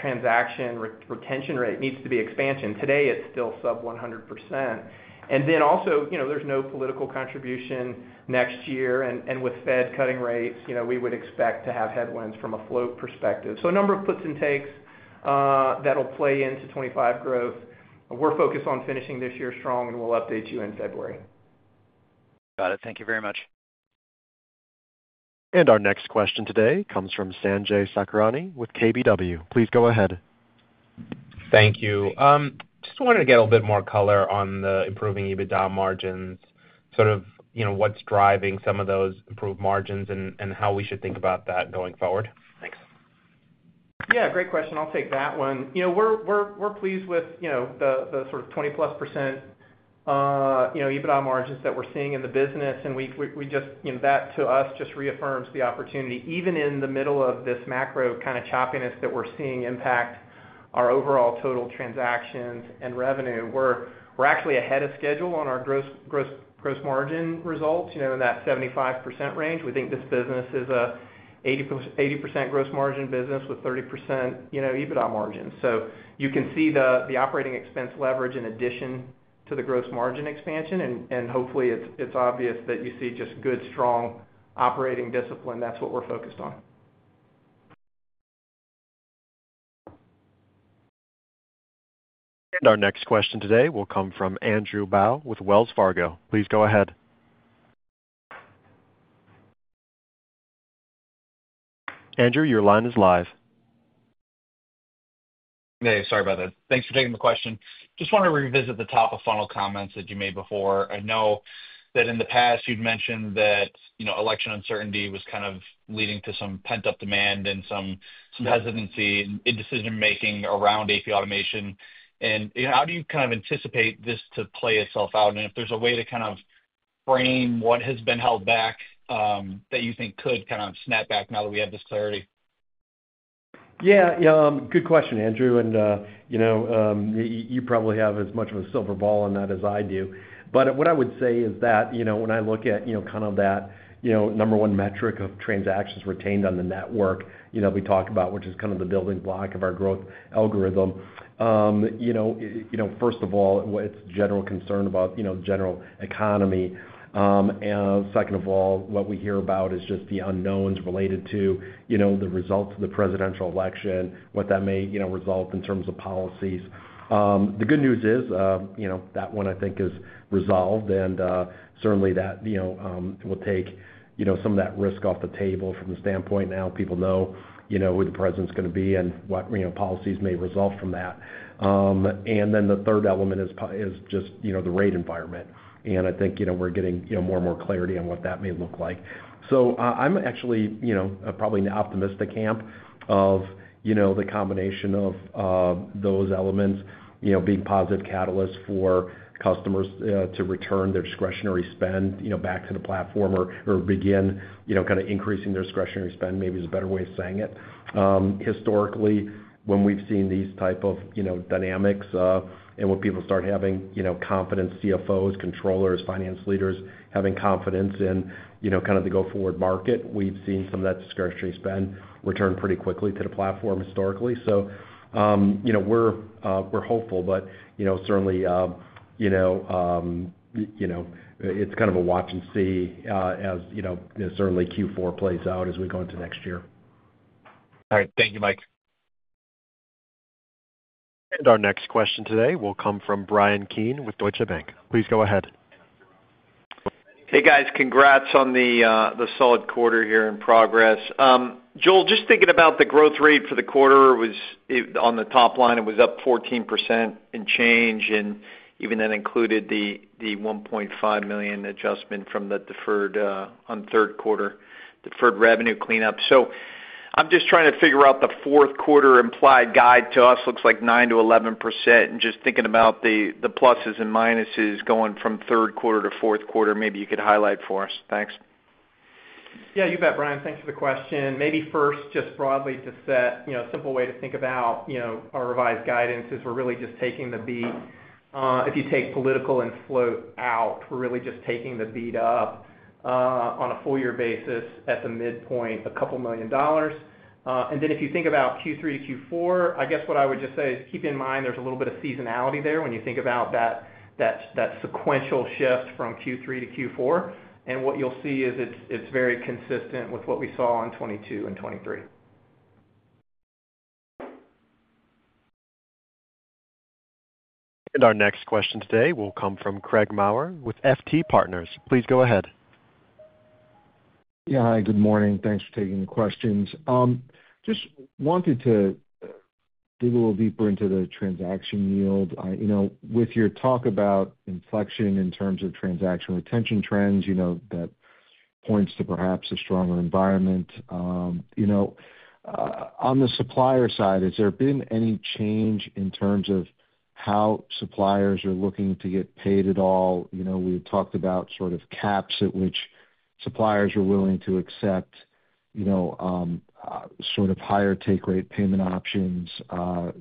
transaction retention rate needs to be expansion. Today, it's still sub 100%. And then also, there's no political contribution next year. And with Fed cutting rates, we would expect to have headwinds from a float perspective. So a number of puts and takes that'll play into 2025 growth. We're focused on finishing this year strong, and we'll update you in February. Got it. Thank you very much. And our next question today comes from Sanjay Sakrani with KBW. Please go ahead. Thank you. Just wanted to get a little bit more color on the improving EBITDA margins, sort of what's driving some of those improved margins and how we should think about that going forward. Thanks. Yeah. Great question. I'll take that one. We're pleased with the sort of 20%+ EBITDA margins that we're seeing in the business. And that to us just reaffirms the opportunity, even in the middle of this macro kind of choppiness that we're seeing impact our overall total transactions and revenue. We're actually ahead of schedule on our gross margin results in that 75% range. We think this business is an 80% gross margin business with 30% EBITDA margins. So you can see the operating expense leverage in addition to the gross margin expansion. And hopefully, it's obvious that you see just good, strong operating discipline. That's what we're focused on. And our next question today will come from Andrew Bauch with Wells Fargo. Please go ahead. Andrew, your line is live. Hey. Sorry about that. Thanks for taking the question. Just want to revisit the top of funnel comments that you made before. I know that in the past, you'd mentioned that election uncertainty was kind of leading to some pent-up demand and some hesitancy in decision-making around AP automation. And how do you kind of anticipate this to play itself out? And if there's a way to kind of frame what has been held back that you think could kind of snap back now that we have this clarity? Yeah. Good question, Andrew. And you probably have as much of a crystal ball on that as I do. But what I would say is that when I look at kind of that number one metric of transactions retained on the network we talked about, which is kind of the building block of our growth algorithm, first of all, it's general concern about the general economy. Second of all, what we hear about is just the unknowns related to the results of the presidential election, what that may result in terms of policies. The good news is that one, I think, is resolved, and certainly, that will take some of that risk off the table from the standpoint now people know who the president's going to be and what policies may result from that, and then the third element is just the rate environment, and I think we're getting more and more clarity on what that may look like, so I'm actually probably in the optimistic camp of the combination of those elements being positive catalysts for customers to return their discretionary spend back to the platform or begin kind of increasing their discretionary spend, maybe is a better way of saying it. Historically, when we've seen these type of dynamics and when people start having confidence, CFOs, controllers, finance leaders having confidence in kind of the go-forward market, we've seen some of that discretionary spend return pretty quickly to the platform historically. So we're hopeful, but certainly, it's kind of a watch and see as certainly Q4 plays out as we go into next year. All right. Thank you, Mike. And our next question today will come from Bryan Keane with Deutsche Bank. Please go ahead. Hey, guys. Congrats on the solid quarter here in progress. Joel, just thinking about the growth rate for the quarter, it was on the top line. It was up 14% and change, and even that included the $1.5 million adjustment from the deferred on third quarter deferred revenue cleanup. So I'm just trying to figure out the fourth quarter implied guide to us. Looks like 9%-11%. Just thinking about the pluses and minuses going from third quarter to fourth quarter, maybe you could highlight for us. Thanks. Yeah. You bet, Brian. Thanks for the question. Maybe first, just broadly to set a simple way to think about our revised guidance is we're really just taking the beat. If you take political and float out, we're really just taking the beat up on a four-year basis at the midpoint, $2 million. Then if you think about Q3-Q4, I guess what I would just say is keep in mind there's a little bit of seasonality there when you think about that sequential shift from Q3 to Q4. What you'll see is it's very consistent with what we saw in 2022 and 2023. Our next question today will come from Craig Maurer with FT Partners. Please go ahead. Yeah. Hi. Good morning. Thanks for taking the questions. Just wanted to dig a little deeper into the transaction yield. With your talk about inflection in terms of transaction retention trends that points to perhaps a stronger environment, on the supplier side, has there been any change in terms of how suppliers are looking to get paid at all? We had talked about sort of caps at which suppliers are willing to accept sort of higher take-rate payment options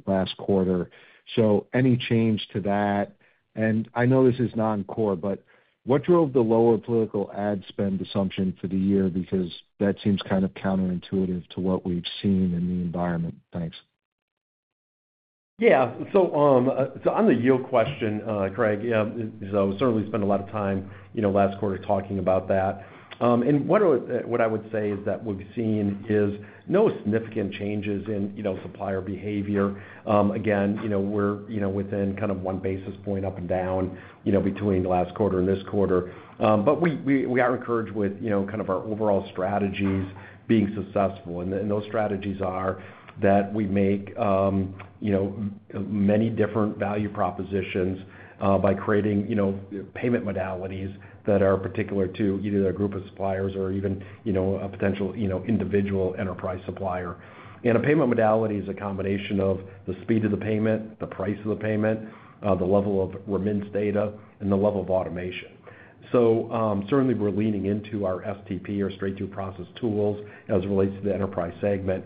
last quarter. So any change to that? And I know this is non-core, but what drove the lower political ad spend assumption for the year? Because that seems kind of counterintuitive to what we've seen in the environment. Thanks. Yeah. So on the yield question, Craig, so certainly spent a lot of time last quarter talking about that. What I would say is that we've seen no significant changes in supplier behavior. Again, we're within kind of one basis point up and down between the last quarter and this quarter. We are encouraged with kind of our overall strategies being successful. Those strategies are that we make many different value propositions by creating payment modalities that are particular to either a group of suppliers or even a potential individual enterprise supplier. A payment modality is a combination of the speed of the payment, the price of the payment, the level of remittance data, and the level of automation. Certainly, we're leaning into our STP or Straight-Through Processing tools as it relates to the enterprise segment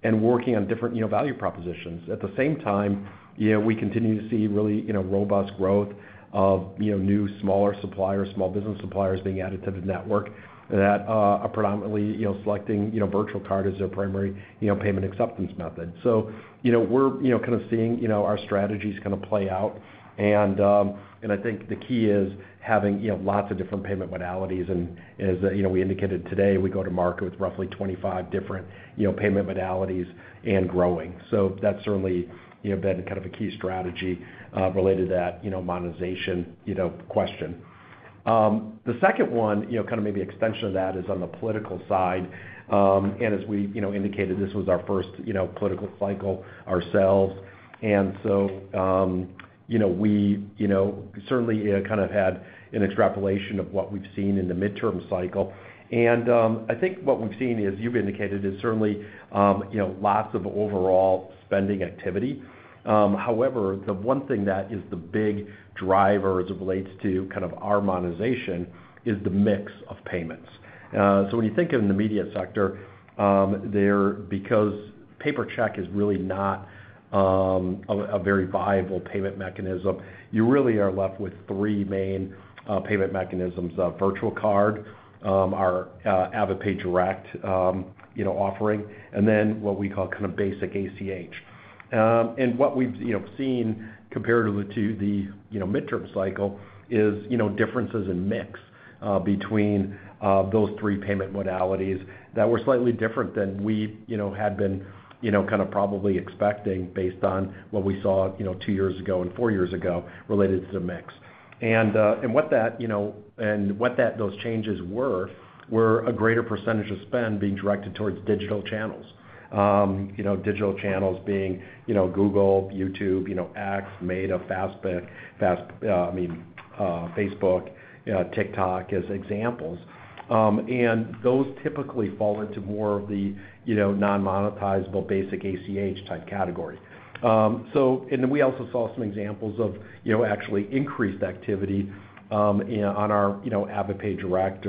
and working on different value propositions. At the same time, we continue to see really robust growth of new smaller suppliers, small business suppliers being added to the network that are predominantly selecting virtual card as their primary payment acceptance method. So we're kind of seeing our strategies kind of play out. And I think the key is having lots of different payment modalities. And as we indicated today, we go to market with roughly 25 different payment modalities and growing. So that's certainly been kind of a key strategy related to that monetization question. The second one, kind of maybe extension of that is on the political side. And as we indicated, this was our first political cycle ourselves. And so we certainly kind of had an extrapolation of what we've seen in the midterm cycle. And I think what we've seen is, you've indicated, is certainly lots of overall spending activity. However, the one thing that is the big driver as it relates to kind of our monetization is the mix of payments. So when you think in the media sector, because paper check is really not a very viable payment mechanism, you really are left with three main payment mechanisms: virtual card, our AvidPay Direct offering, and then what we call kind of basic ACH. And what we've seen comparatively to the midterm cycle is differences in mix between those three payment modalities that were slightly different than we had been kind of probably expecting based on what we saw two years ago and four years ago related to the mix. And what that and what those changes were, were a greater percentage of spend being directed towards digital channels, digital channels being Google, YouTube, X, Meta, FastPay, I mean, Facebook, TikTok as examples. And those typically fall into more of the non-monetizable basic ACH type category. And we also saw some examples of actually increased activity on our AvidPay Direct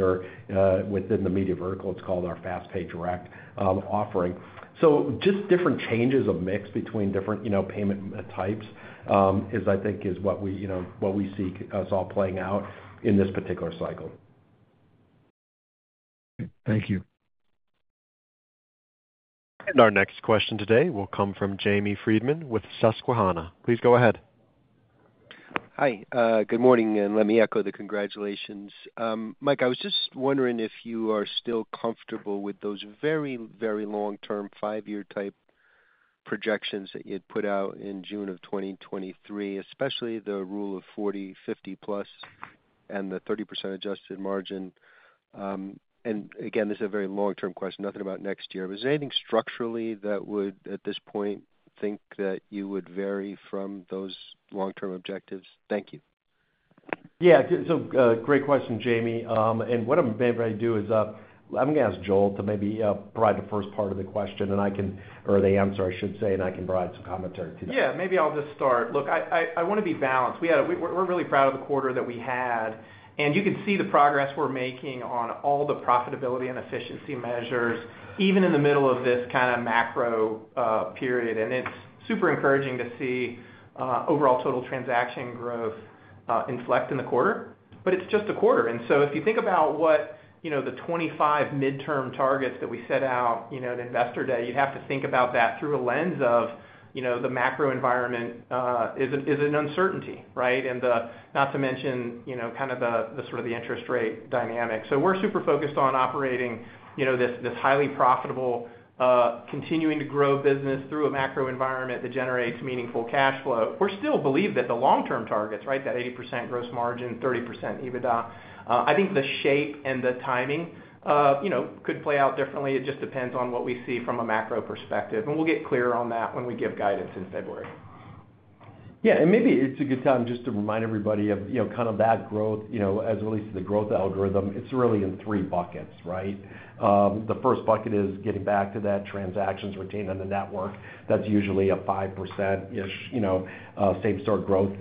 within the media vertical. It's called our FastPay Direct offering. So just different changes of mix between different payment types is, I think, is what we see us all playing out in this particular cycle. Thank you. And our next question today will come from Jamie Friedman with Susquehanna. Please go ahead. Hi. Good morning. And let me echo the congratulations. Mike, I was just wondering if you are still comfortable with those very, very long-term five-year type projections that you had put out in June of 2023, especially the rule of 40, 50+, and the 30% adjusted margin. And again, this is a very long-term question, nothing about next year. But is there anything structurally that would, at this point, think that you would vary from those long-term objectives? Thank you. Yeah. So great question, Jamie. And what I'm going to do is I'm going to ask Joel to maybe provide the first part of the question, and I can or the answer, I should say, and I can provide some commentary to that. Yeah. Maybe I'll just start. Look, I want to be balanced. We're really proud of the quarter that we had. And you can see the progress we're making on all the profitability and efficiency measures, even in the middle of this kind of macro period. And it's super encouraging to see overall total transaction growth inflect in the quarter. But it's just a quarter. And so if you think about what the 25 midterm targets that we set out at Investor Day, you'd have to think about that through a lens of the macro environment is an uncertainty, right? And not to mention kind of the sort of the interest rate dynamic. So we're super focused on operating this highly profitable, continuing-to-grow business through a macro environment that generates meaningful cash flow. We're still believed that the long-term targets, right, that 80% gross margin, 30% EBITDA, I think the shape and the timing could play out differently. It just depends on what we see from a macro perspective. And we'll get clearer on that when we give guidance in February. Yeah. And maybe it's a good time just to remind everybody of kind of that growth as it relates to the growth algorithm. It's really in three buckets, right? The first bucket is getting back to that transactions retained on the network. That's usually a 5%-ish same-store growth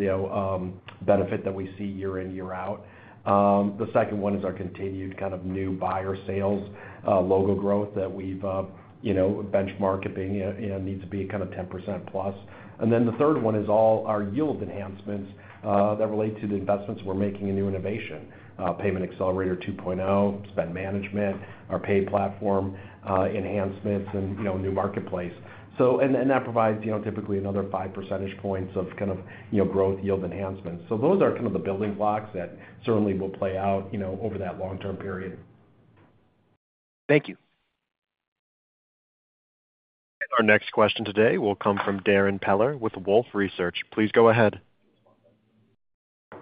benefit that we see year in, year out. The second one is our continued kind of new buyer sales logo growth that we've benchmarked being needs to be kind of 10%+. And then the third one is all our yield enhancements that relate to the investments we're making in new innovation, Payment Accelerator 2.0, spend management, our pay platform enhancements, and new marketplace. And that provides typically another 5 percentage points of kind of growth yield enhancements. So those are kind of the building blocks that certainly will play out over that long-term period. Thank you. And our next question today will come from Darrin Peller with Wolfe Research. Please go ahead.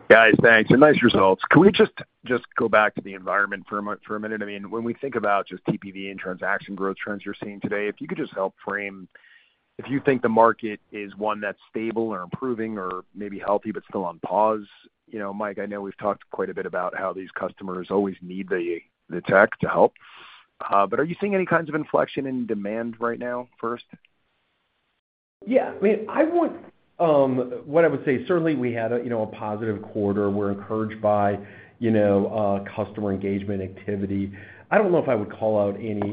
Guys, thanks. And nice results. Can we just go back to the environment for a minute? I mean, when we think about just TPV and transaction growth trends you're seeing today, if you could just help frame if you think the market is one that's stable or improving or maybe healthy but still on pause. Mike, I know we've talked quite a bit about how these customers always need the tech to help. But are you seeing any kinds of inflection in demand right now first? Yeah. I mean, I want what I would say certainly we had a positive quarter. We're encouraged by customer engagement activity. I don't know if I would call out any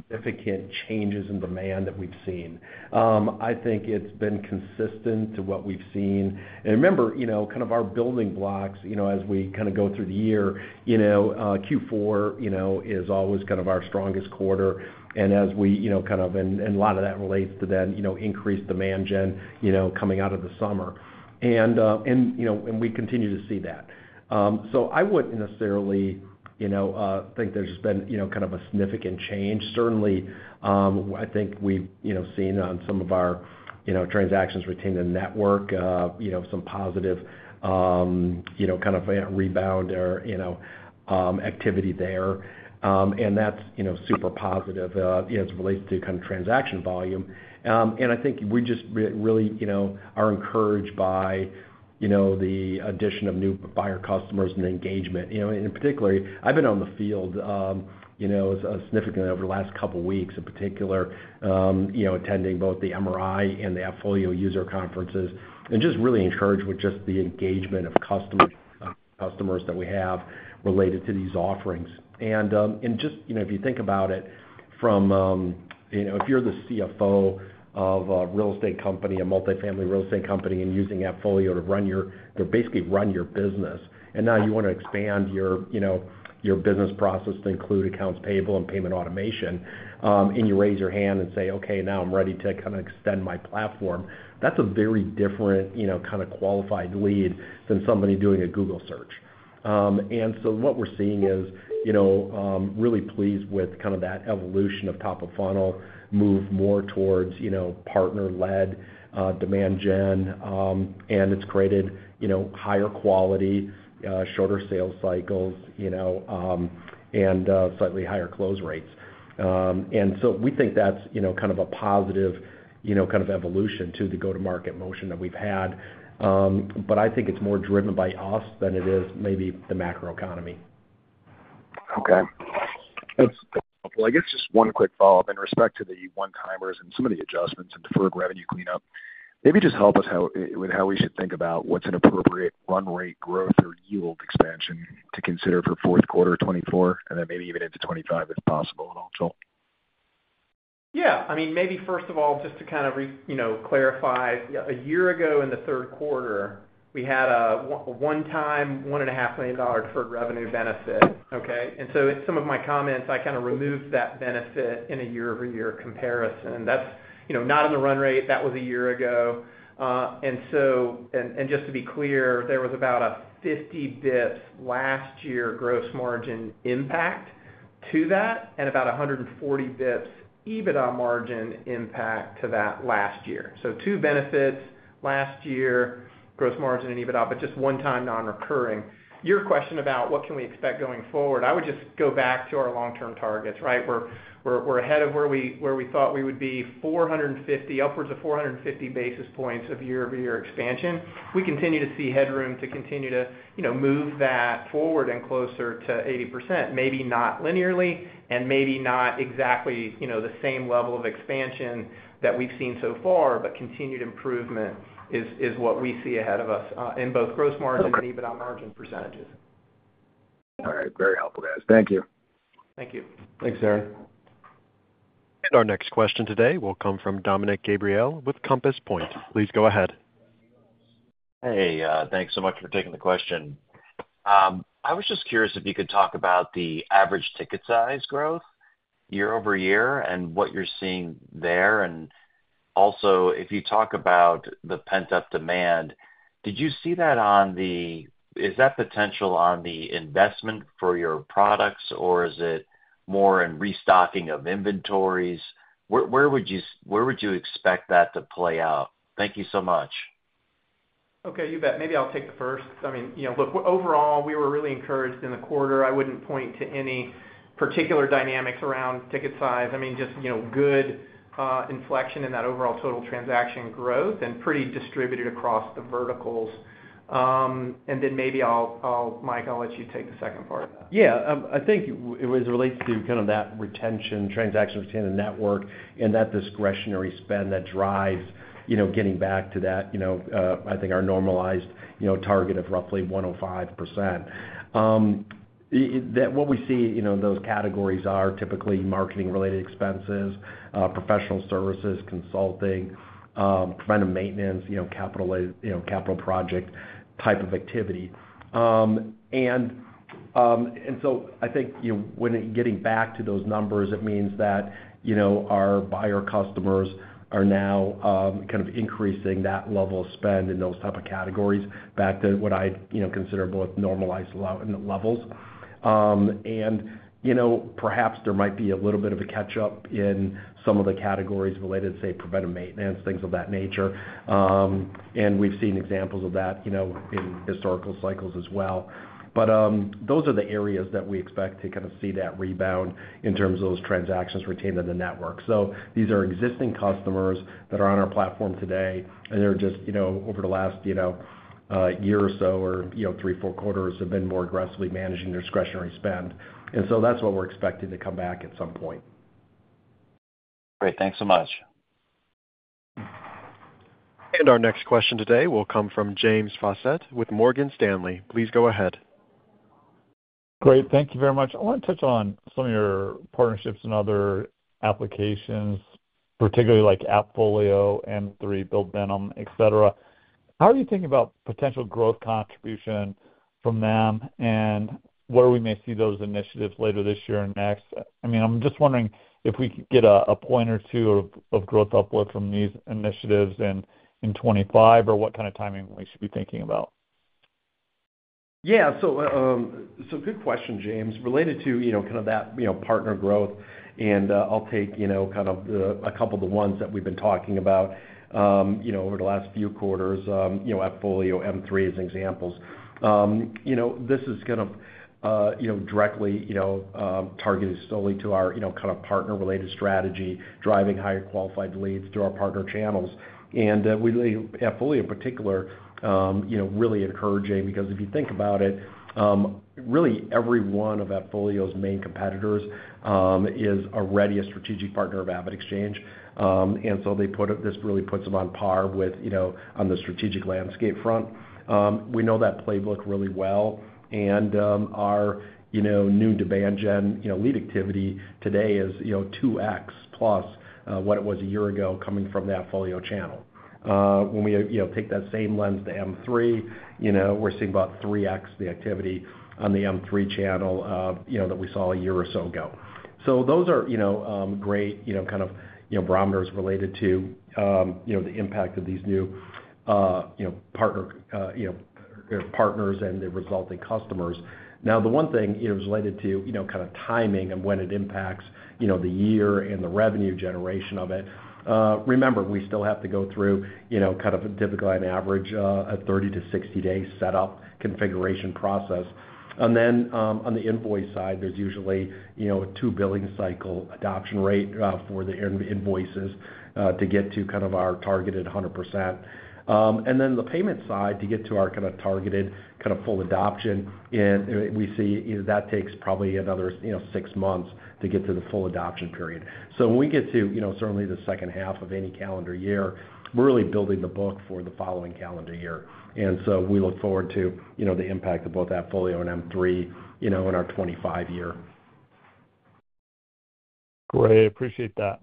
significant changes in demand that we've seen. I think it's been consistent to what we've seen. And remember, kind of our building blocks as we kind of go through the year, Q4 is always kind of our strongest quarter. As we kind of and a lot of that relates to that increased demand gen coming out of the summer. We continue to see that. I wouldn't necessarily think there's just been kind of a significant change. Certainly, I think we've seen on some of our transactions retained in network, some positive kind of rebound or activity there. That's super positive as it relates to kind of transaction volume. I think we just really are encouraged by the addition of new buyer customers and engagement. In particular, I've been in the field significantly over the last couple of weeks, in particular, attending both the MRI and the AppFolio user conferences and just really encouraged with just the engagement of customers that we have related to these offerings. And just if you think about it from, if you're the CFO of a real estate company, a multifamily real estate company, and using AppFolio to basically run your business, and now you want to expand your business process to include accounts payable and payment automation, and you raise your hand and say, "Okay, now I'm ready to kind of extend my platform." That's a very different kind of qualified lead than somebody doing a Google search. We're really pleased with what we're seeing in kind of that evolution of top of funnel moving more towards partner-led demand gen, and it's created higher quality, shorter sales cycles, and slightly higher close rates. We think that's kind of a positive kind of evolution to the go-to-market motion that we've had. I think it's more driven by us than it is maybe the macro economy. Okay. That's helpful. I guess just one quick follow-up in respect to the one-timers and some of the adjustments and deferred revenue cleanup. Maybe just help us with how we should think about what's an appropriate run rate growth or yield expansion to consider for fourth quarter 2024, and then maybe even into 2025 if possible at all, Joel. Yeah. I mean, maybe first of all, just to kind of clarify, a year ago in the third quarter, we had a one-time, $1.5 million deferred revenue benefit, okay? And so some of my comments, I kind of removed that benefit in a year-over-year comparison. That's not in the run rate. That was a year ago. And just to be clear, there was about a 50 basis points last year gross margin impact to that and about 140 basis points EBITDA margin impact to that last year. Two benefits last year, gross margin and EBITDA, but just one-time non-recurring. Your question about what can we expect going forward, I would just go back to our long-term targets, right? We're ahead of where we thought we would be, upwards of 450 basis points of year-over-year expansion. We continue to see headroom to continue to move that forward and closer to 80%, maybe not linearly and maybe not exactly the same level of expansion that we've seen so far, but continued improvement is what we see ahead of us in both gross margin and EBITDA margin percentages. All right. Very helpful, guys. Thank you. Thank you. Thanks, Darrin. Our next question today will come from Dominick Gabriele with Compass Point. Please go ahead. Hey. Thanks so much for taking the question. I was just curious if you could talk about the average ticket size growth year-over-year and what you're seeing there. And also, if you talk about the pent-up demand, did you see that on the is that potential on the investment for your products, or is it more in restocking of inventories? Where would you expect that to play out? Thank you so much. Okay. You bet. Maybe I'll take the first. I mean, look, overall, we were really encouraged in the quarter. I wouldn't point to any particular dynamics around ticket size. I mean, just good inflection in that overall total transaction growth and pretty distributed across the verticals. And then maybe I'll, Mike, I'll let you take the second part of that. Yeah. I think as it relates to kind of that retention, transaction retained in network, and that discretionary spend that drives getting back to that. I think our normalized target of roughly 105%. What we see in those categories are typically marketing-related expenses, professional services, consulting, kind of maintenance, capital project type of activity, and so I think when getting back to those numbers. It means that our buyer customers are now kind of increasing that level of spend in those type of categories back to what I consider both normalized levels, and perhaps there might be a little bit of a catch-up in some of the categories related to, say, preventive maintenance, things of that nature, and we've seen examples of that in historical cycles as well, but those are the areas that we expect to kind of see that rebound in terms of those transactions retained on the network. So these are existing customers that are on our platform today, and they're just over the last year or so or three, four quarters have been more aggressively managing their discretionary spend. And so that's what we're expecting to come back at some point. Great. Thanks so much. And our next question today will come from James Faucette with Morgan Stanley. Please go ahead. Great. Thank you very much. I want to touch on some of your partnerships and other applications, particularly like AppFolio, M3, Buildium, etc. How are you thinking about potential growth contribution from them, and where we may see those initiatives later this year and next? I mean, I'm just wondering if we could get a point or two of growth uplift from these initiatives in 2025, or what kind of timing we should be thinking about? Yeah. Good question, James, related to kind of that partner growth. I'll take kind of a couple of the ones that we've been talking about over the last few quarters, AppFolio, M3 as examples. This is kind of directly targeted solely to our kind of partner-related strategy, driving higher qualified leads through our partner channels. AppFolio, in particular, really encouraging because if you think about it, really every one of AppFolio's main competitors is already a strategic partner of AvidXchange. This really puts them on par on the strategic landscape front. We know that playbook really well. Our new demand gen lead activity today is 2x plus what it was a year ago coming from the AppFolio channel. When we take that same lens to M3, we're seeing about 3x the activity on the M3 channel that we saw a year or so ago. So those are great kind of barometers related to the impact of these new partners and the resulting customers. Now, the one thing related to kind of timing and when it impacts the year and the revenue generation of it, remember, we still have to go through kind of typically an average 30-60-day setup configuration process. And then on the invoice side, there's usually a two-billing cycle adoption rate for the invoices to get to kind of our targeted 100%. And then the payment side to get to our kind of targeted kind of full adoption. And we see that takes probably another six months to get to the full adoption period. So when we get to certainly the second half of any calendar year, we're really building the book for the following calendar year. And so we look forward to the impact of both AppFolio and M3 in our 2025 year. Great. Appreciate that.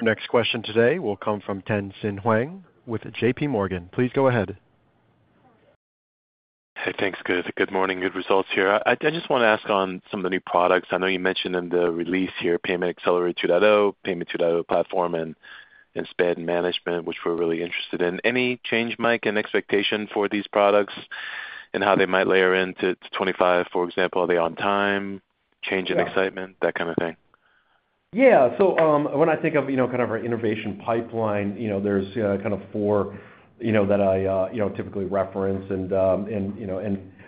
Our next question today will come from Tien-Tsin Huang with JPMorgan. Please go ahead. Hey, thanks, guys. Good morning. Good results here. I just want to ask on some of the new products. I know you mentioned in the release here, Payment Accelerator 2.0, payment 2.0 platform, and spend management, which we're really interested in. Any change, Mike, in expectation for these products and how they might layer into 2025, for example? Are they on time? Change in excitement? That kind of thing. Yeah. So when I think of kind of our innovation pipeline, there's kind of four that I typically reference. And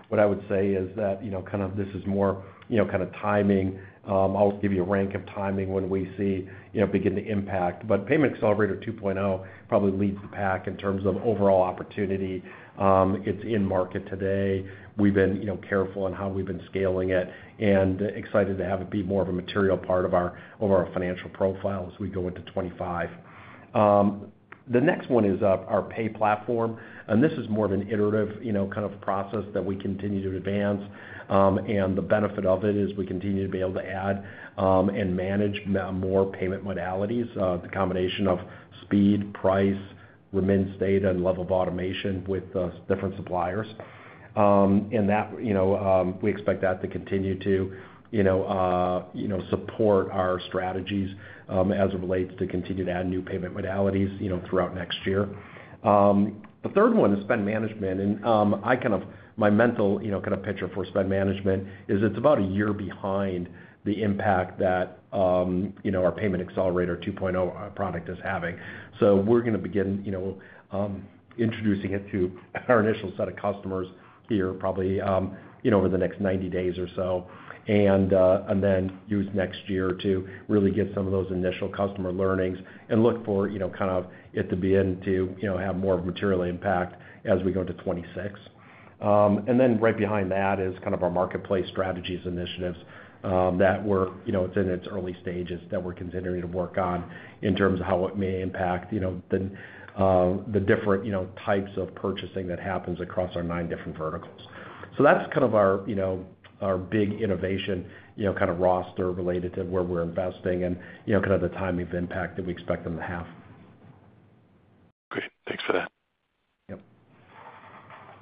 what I would say is that kind of this is more kind of timing. I'll give you a rank of timing when we see begin to impact. But Payment Accelerator 2.0 probably leads the pack in terms of overall opportunity. It's in market today. We've been careful in how we've been scaling it and excited to have it be more of a material part of our overall financial profile as we go into 2025. The next one is our pay platform. And this is more of an iterative kind of process that we continue to advance. And the benefit of it is we continue to be able to add and manage more payment modalities, the combination of speed, price, remittance data, and level of automation with different suppliers. And we expect that to continue to support our strategies as it relates to continue to add new payment modalities throughout next year. The third one is spend management. My mental kind of picture for spend management is it's about a year behind the impact that our Payment Accelerator 2.0 product is having. So we're going to begin introducing it to our initial set of customers here probably over the next 90 days or so, and then use next year to really get some of those initial customer learnings and look for kind of it to begin to have more of a material impact as we go into 2026. Then right behind that is kind of our marketplace strategy initiatives. It's in its early stages that we're continuing to work on in terms of how it may impact the different types of purchasing that happens across our nine different verticals. So that's kind of our big innovation kind of roster related to where we're investing and kind of the timing of impact that we expect them to have. Great. Thanks for that.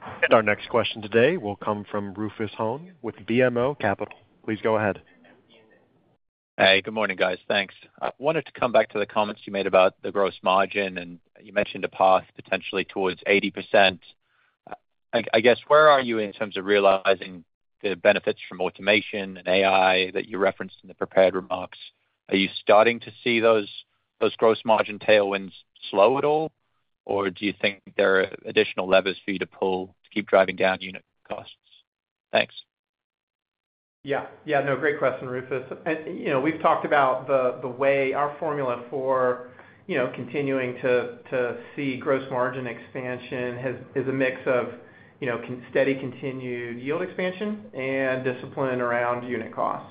Yep. And our next question today will come from Rufus Hone with BMO Capital. Please go ahead. Hey. Good morning, guys. Thanks. I wanted to come back to the comments you made about the gross margin, and you mentioned a path potentially towards 80%. I guess where are you in terms of realizing the benefits from automation and AI that you referenced in the prepared remarks? Are you starting to see those gross margin tailwinds slow at all, or do you think there are additional levers for you to pull to keep driving down unit costs? Thanks. Yeah. Yeah. No, great question, Rufus. We've talked about the way our formula for continuing to see gross margin expansion is a mix of steady continued yield expansion and discipline around unit costs.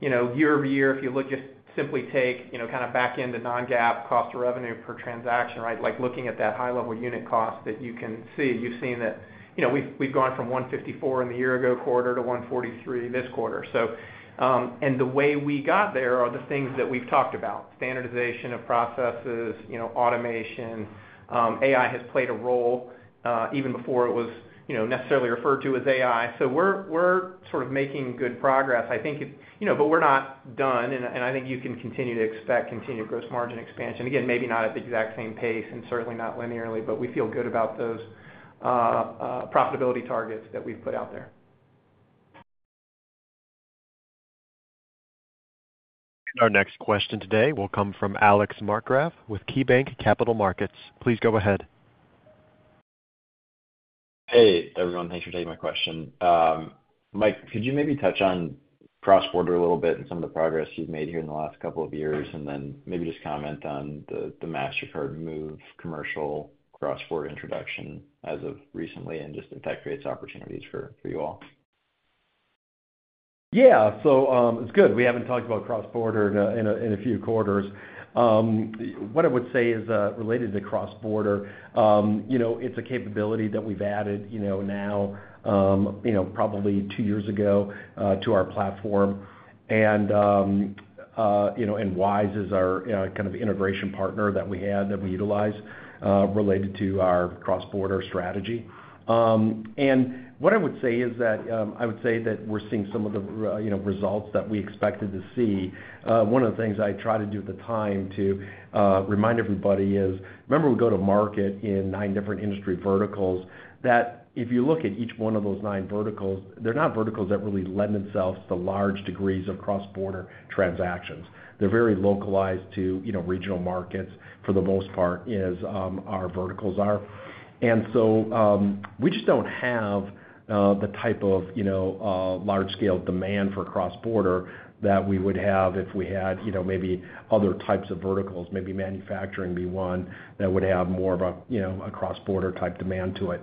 Year-over-year, if you look just simply take kind of back end to non-GAAP cost of revenue per transaction, right? Looking at that high-level unit cost that you can see, you've seen that we've gone from 154 in the year-ago quarter to 143 this quarter. And the way we got there are the things that we've talked about: standardization of processes, automation. AI has played a role even before it was necessarily referred to as AI. So we're sort of making good progress, I think. But we're not done. And I think you can continue to expect continued gross margin expansion. Again, maybe not at the exact same pace and certainly not linearly, but we feel good about those profitability targets that we've put out there. And our next question today will come from Alex Markgraff with KeyBanc Capital Markets. Please go ahead. Hey, everyone. Thanks for taking my question. Mike, could you maybe touch on cross-border a little bit and some of the progress you've made here in the last couple of years and then maybe just comment on the Mastercard Move commercial cross-border introduction as of recently and just if that creates opportunities for you all? Yeah. So it's good. We haven't talked about cross-border in a few quarters. What I would say is related to cross-border, it's a capability that we've added now probably two years ago to our platform. Wise is our kind of integration partner that we had that we utilize related to our cross-border strategy. What I would say is that I would say that we're seeing some of the results that we expected to see. One of the things I try to do at the time to remind everybody is, remember we go to market in nine different industry verticals, that if you look at each one of those nine verticals, they're not verticals that really lend themselves to large degrees of cross-border transactions. They're very localized to regional markets for the most part as our verticals are. We just don't have the type of large-scale demand for cross-border that we would have if we had maybe other types of verticals, maybe manufacturing be one that would have more of a cross-border-type demand to it.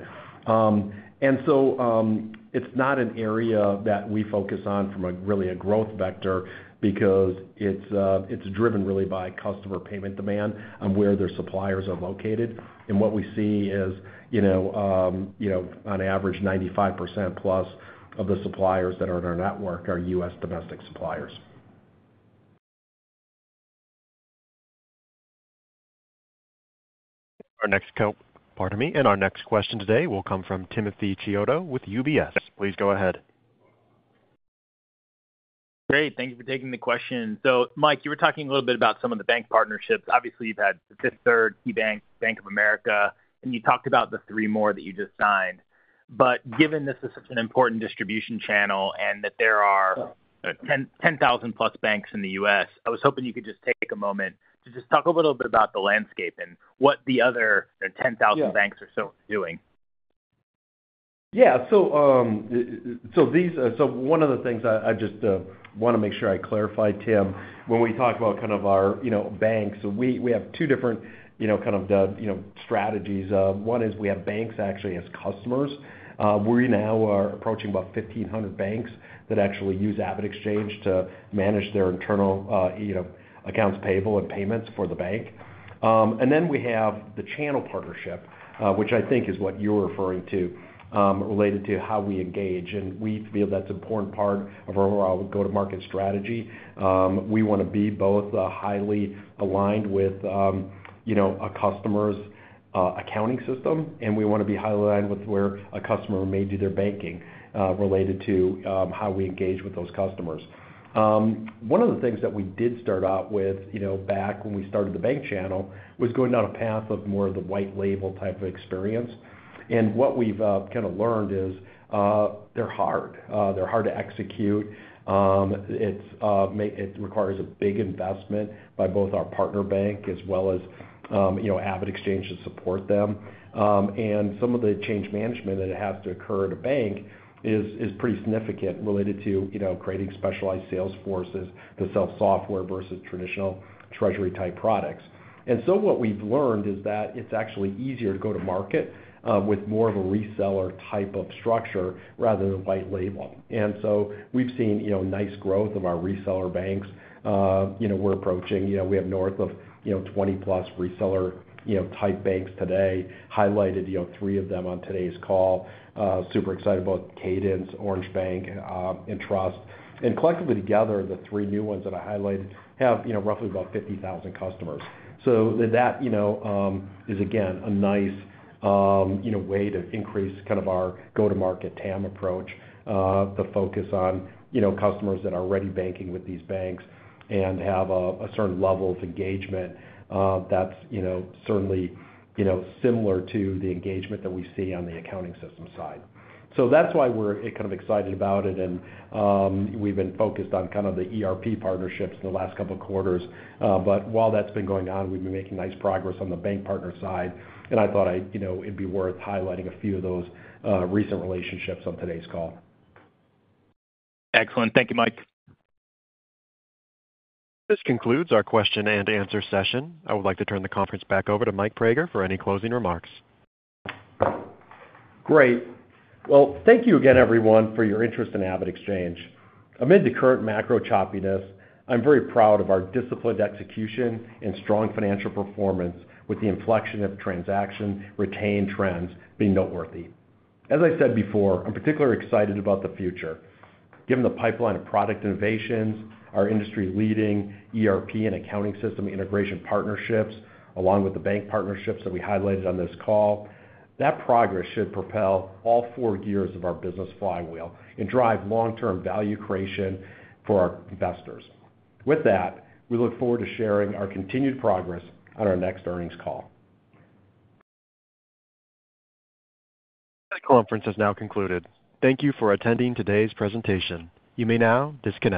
And so it's not an area that we focus on from really a growth vector because it's driven really by customer payment demand and where their suppliers are located. And what we see is on average, 95%+ of the suppliers that are in our network are U.S. domestic suppliers. Our next participant and our next question today will come from Timothy Chiodo with UBS. Please go ahead. Great. Thank you for taking the question. So, Mike, you were talking a little bit about some of the bank partnerships. Obviously, you've had the Fifth Third, KeyBanc, Bank of America, and you talked about the three more that you just signed. But given this is such an important distribution channel and that there are 10,000+ banks in the U.S., I was hoping you could just take a moment to just talk a little bit about the landscape and what the other 10,000 banks are doing. Yeah. So one of the things I just want to make sure I clarify, Tim, when we talk about kind of our banks, we have two different kind of strategies. One is we have banks actually as customers. We now are approaching about 1,500 banks that actually use AvidXchange to manage their internal accounts payable and payments for the bank. And then we have the channel partnership, which I think is what you're referring to related to how we engage. And we feel that's an important part of our go-to-market strategy. We want to be both highly aligned with a customer's accounting system, and we want to be highly aligned with where a customer may do their banking related to how we engage with those customers. One of the things that we did start out with back when we started the bank channel was going down a path of more of the white label type of experience, and what we've kind of learned is they're hard. They're hard to execute. It requires a big investment by both our partner bank as well as AvidXchange to support them, and some of the change management that has to occur at a bank is pretty significant related to creating specialized sales forces to sell software versus traditional treasury-type products. And so what we've learned is that it's actually easier to go to market with more of a reseller type of structure rather than white label. And so we've seen nice growth of our reseller banks. We're approaching. We have north of 20+ reseller-type banks today. Highlighted three of them on today's call. Super excited about Cadence, Orange Bank & Trust. And collectively together, the three new ones that I highlighted have roughly about 50,000 customers. So that is, again, a nice way to increase kind of our go-to-market TAM approach, the focus on customers that are already banking with these banks and have a certain level of engagement that's certainly similar to the engagement that we see on the accounting system side. So that's why we're kind of excited about it. And we've been focused on kind of the ERP partnerships in the last couple of quarters. But while that's been going on, we've been making nice progress on the bank partner side. And I thought it'd be worth highlighting a few of those recent relationships on today's call. Excellent. Thank you, Mike. This concludes our question and answer session. I would like to turn the conference back over to Mike Praeger for any closing remarks. Great. Well, thank you again, everyone, for your interest in AvidXchange. Amid the current macro choppiness, I'm very proud of our disciplined execution and strong financial performance with the inflection of transaction retention trends being noteworthy. As I said before, I'm particularly excited about the future. Given the pipeline of product innovations, our industry-leading ERP and accounting system integration partnerships, along with the bank partnerships that we highlighted on this call, that progress should propel all four gears of our business flywheel and drive long-term value creation for our investors. With that, we look forward to sharing our continued progress on our next earnings call. The conference has now concluded. Thank you for attending today's presentation. You may now disconnect.